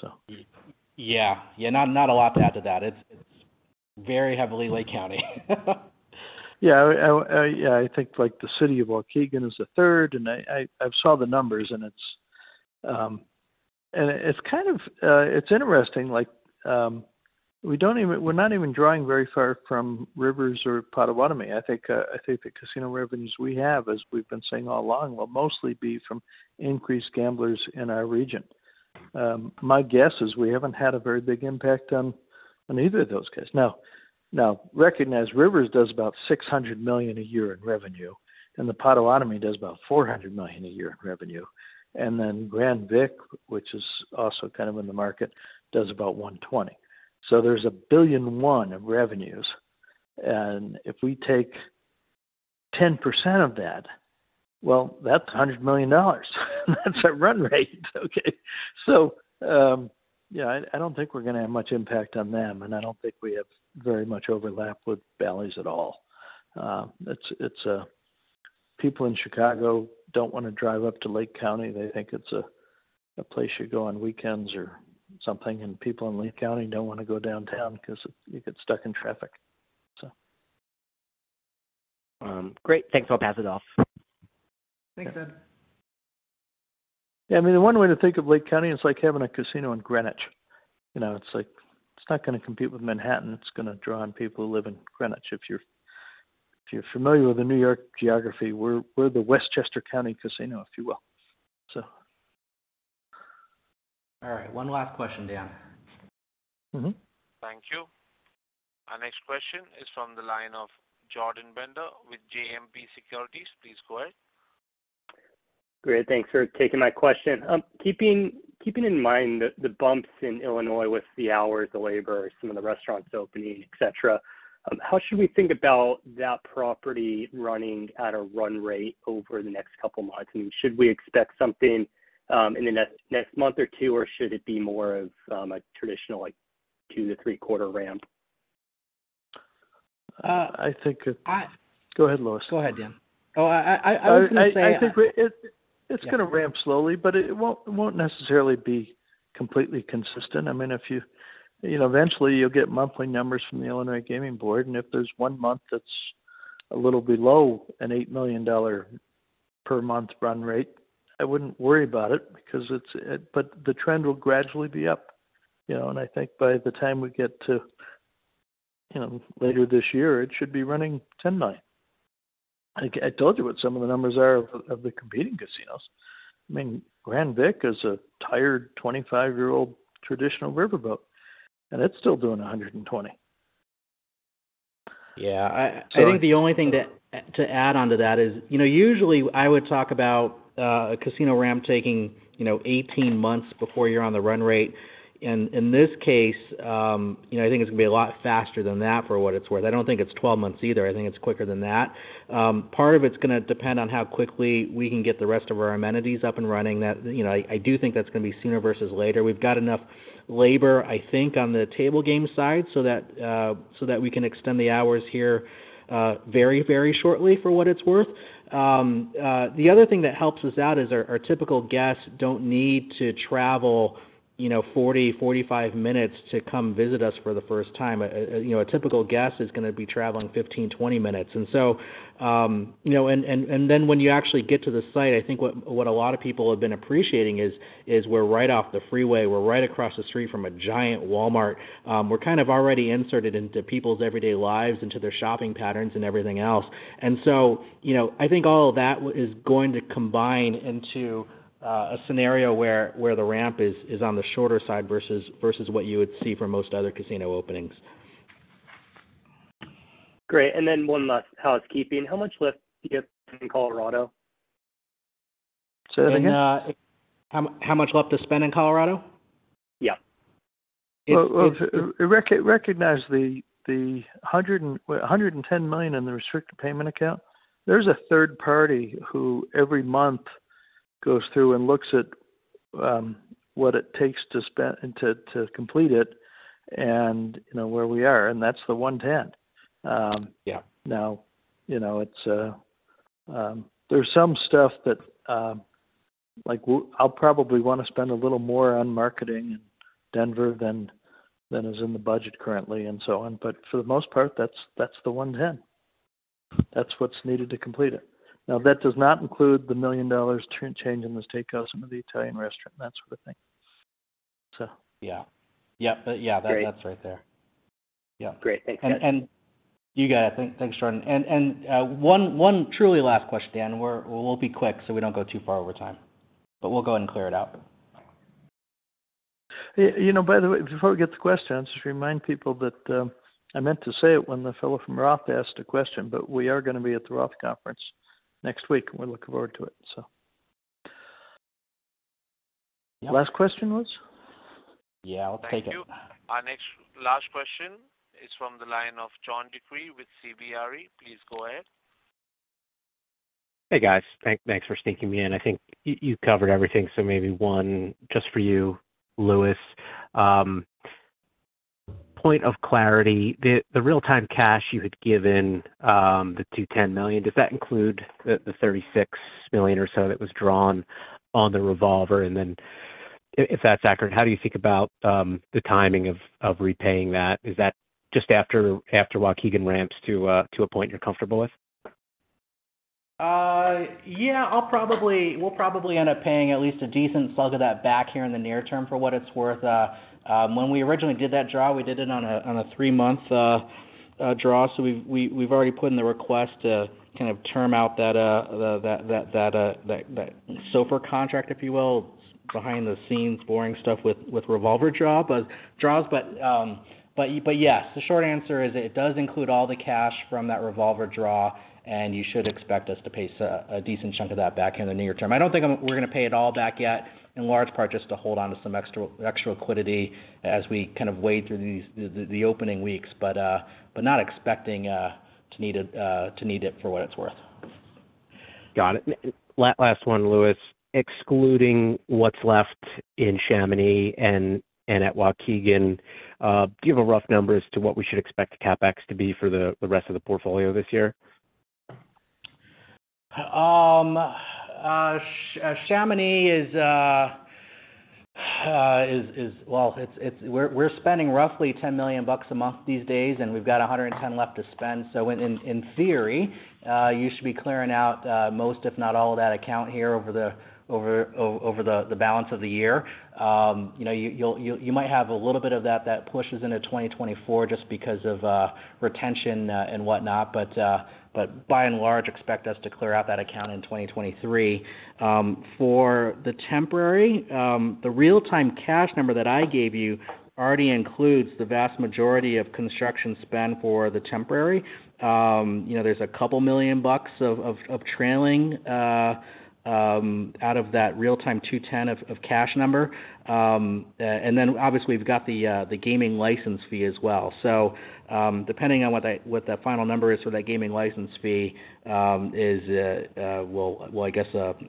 so. Yeah. Not a lot to add to that. It's very heavily Lake County. Yeah. I think like the city of Waukegan is a third, and I saw the numbers and it's. It's kind of, it's interesting, like, we're not even drawing very far from Rivers or Potawatomi. I think the casino revenues we have, as we've been saying all along, will mostly be from increased gamblers in our region. My guess is we haven't had a very big impact on either of those guys. Recognize Rivers does about $600 million a year in revenue, and the Potawatomi does about $400 million a year in revenue. Grand Vic, which is also kind of in the market, does about $120 million. There's $1.1 billion of revenues. If we take 10% of that, well, that's $100 million. That's our run rate. Okay. Yeah, I don't think we're gonna have much impact on them, and I don't think we have very much overlap with Bally's at all. People in Chicago don't wanna drive up to Lake County. They think it's a place you go on weekends or something, and people in Lake County don't wanna go downtown 'cause you get stuck in traffic. Great. Thanks. I'll pass it off. Thanks, Ed. Yeah. I mean, the one way to think of Lake County, it's like having a casino in Greenwich. You know, it's like, it's not gonna compete with Manhattan. It's gonna draw on people who live in Greenwich. If you're familiar with the New York geography, we're the Westchester County Casino, if you will, so. All right. One last question, Dan. Mm-hmm. Thank you. Our next question is from the line of Jordan Bender with JMP Securities. Please go ahead. Great. Thanks for taking my question. Keeping in mind the bumps in Illinois with the hours, the labor, some of the restaurants opening, et cetera, how should we think about that property running at a run rate over the next couple of months? Should we expect something in the next month or two, or should it be more of a traditional, like two-three quarter ramp? I think. I- Go ahead, Lewis. Go ahead, Dan. Oh, I was gonna say, I think we. It's gonna ramp slowly, but it won't necessarily be completely consistent. I mean, if you know, eventually you'll get monthly numbers from the Illinois Gaming Board, if there's one month that's a little below an $8 million per month run rate, I wouldn't worry about it. But the trend will gradually be up, you know. I think by the time we get to, you know, later this year, it should be running $10 million-$9 million. I told you what some of the numbers are of the, of the competing casinos. I mean, Grand Vic is a tired 25-year-old traditional riverboat, and it's still doing $120 million. Yeah. I think the only thing to add onto that is, you know, usually I would talk about a casino ramp taking, you know, 18 months before you're on the run rate. In this case, you know, I think it's gonna be a lot faster than that for what it's worth. I don't think it's 12 months either. I think it's quicker than that. Part of it's gonna depend on how quickly we can get the rest of our amenities up and running. That, you know, I do think that's gonna be sooner versus later. We've got enough labor, I think, on the table game side, so that so that we can extend the hours here very, very shortly for what it's worth. The other thing that helps us out is our typical guests don't need to travel, you know, 40, 45 minutes to come visit us for the first time. You know, a typical guest is gonna be traveling 15, 20 minutes. You know... And then when you actually get to the site, I think what a lot of people have been appreciating is we're right off the freeway. We're right across the street from a giant Walmart. We're kind of already inserted into people's everyday lives, into their shopping patterns and everything else. You know, I think all of that is going to combine into a scenario where the ramp is on the shorter side versus what you would see for most other casino openings. Great. One last housekeeping. How much lift do you have in Colorado? Say that again? In. How much left to spend in Colorado? Yeah. Well, recognize the $110 million in the restricted payment account. There's a third party who every month goes through and looks at what it takes to spend and to complete it and, you know, where we are, and that's the $110 million. Yeah. You know, it's, There's some stuff that, like I'll probably wanna spend a little more on marketing in Denver than is in the budget currently and so on. For the most part, that's the hand. That's what's needed to complete it. That does not include the $1 million change in the steakhouse and the Italian restaurant, that sort of thing. Yeah. Yep. Yeah. Great. That's right there. Yeah. Great. Thanks, guys. You got it. Thanks, Jordan. One truly last question, Dan. We'll be quick, so we don't go too far over time, but we'll go ahead and clear it out. Yeah. You know, by the way, before we get the question, I just remind people that I meant to say it when the fellow from ROTH asked a question. We are gonna be at the ROTH conference next week. We're looking forward to it, so. Yeah. Last question, Lewis? Yeah, I'll take it. Thank you. Our last question is from the line of John DeCree with CBRE. Please go ahead. Hey, guys. Thanks for sneaking me in. I think you've covered everything, so maybe one just for you, Lewis. Point of clarity. The real-time cash you had given, the $210 million, does that include the $36 million or so that was drawn on the revolver? If that's accurate, how do you think about the timing of repaying that? Is that just after Waukegan ramps to a point you're comfortable with? Yeah. We'll probably end up paying at least a decent slug of that back here in the near term for what it's worth. When we originally did that draw, we did it on a 3-month draw. We've already put in the request to kind of term out that SOFR contract, if you will. It's behind the scenes, boring stuff with revolver draws. Yes. The short answer is it does include all the cash from that revolver draw, and you should expect us to pay a decent chunk of that back in the near term. I don't think we're gonna pay it all back yet, in large part just to hold onto some extra liquidity as we kind of wade through these, the opening weeks. Not expecting to need it for what it's worth. Got it. Last one, Lewis. Excluding what's left in Chamonix and at Waukegan, do you have a rough number as to what we should expect the CapEx to be for the rest of the portfolio this year? Chamonix is, well, it's, we're spending roughly $10 million a month these days, and we've got $110 million left to spend. In theory, you should be clearing out most, if not all of that account here over the balance of the year. You know, you'll, you might have a little bit of that pushes into 2024 just because of retention and whatnot. By and large, expect us to clear out that account in 2023. For the temporary, the real-time cash number that I gave you already includes the vast majority of construction spend for the temporary. You know, there's $2 million of trailing out of that real-time $210 million of cash number. And then obviously we've got the gaming license fee as well. Depending on what that, what that final number is for that gaming license fee, is I guess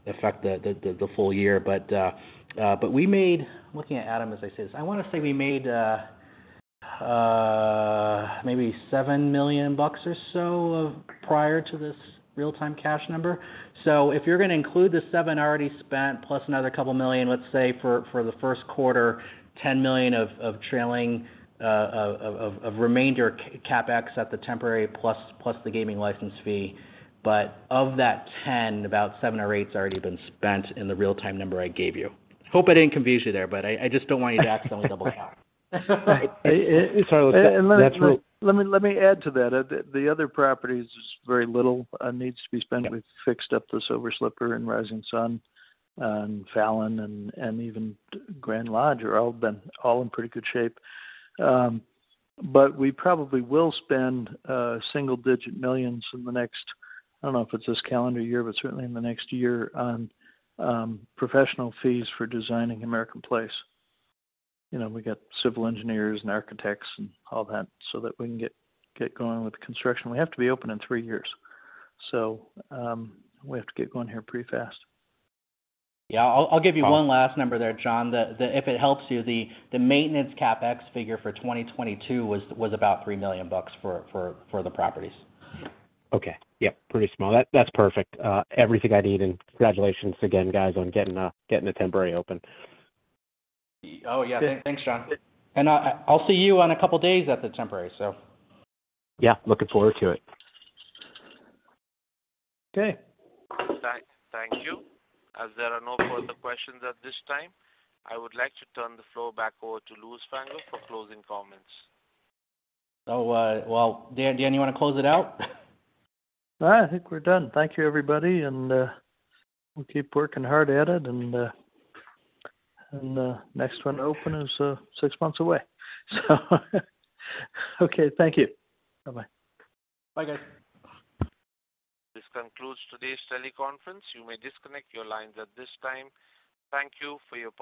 affect the full year. I'm looking at Adam as I say this. I wanna say we made maybe $7 million bucks or so prior to this real-time cash number. If you're gonna include the $7 million already spent plus another $2 million, let's say, for the first quarter, $10 million of trailing remainder CapEx at the temporary plus the gaming license fee. Of that $10 million, about $7 million or $8 million has already been spent in the real-time number I gave you. Hope I didn't confuse you there, but I just don't want you to accidentally double count. Right. that's. Let me add to that. The other properties, there's very little needs to be spent. We've fixed up the Silver Slipper and Rising Sun and Fallon and even Grand Lodge are all in pretty good shape. We probably will spend single digit millions in the next, I don't know if it's this calendar year, but certainly in the next year on professional fees for designing American Place. You know, we got civil engineers and architects and all that so that we can get going with the construction. We have to be open in three years, we have to get going here pretty fast. Yeah. I'll give you one last number there, John. If it helps you, the maintenance CapEx figure for 2022 was about $3 million bucks for the properties. Okay. Yeah. Pretty small. That's perfect. Everything I need and congratulations again, guys, on getting The Temporary open. Oh, yeah. Thanks, John. I'll see you on a couple days at The Temporary. Yeah. Looking forward to it. Okay. Thank you. As there are no further questions at this time, I would like to turn the floor back over to Lewis Fanger for closing comments. Well, Dan, you wanna close it out? I think we're done. Thank you, everybody, we'll keep working hard at it and, next one open is, six months away. Okay, thank you. Bye-bye. Bye, guys. This concludes today's teleconference. You may disconnect your lines at this time. Thank you for your participation.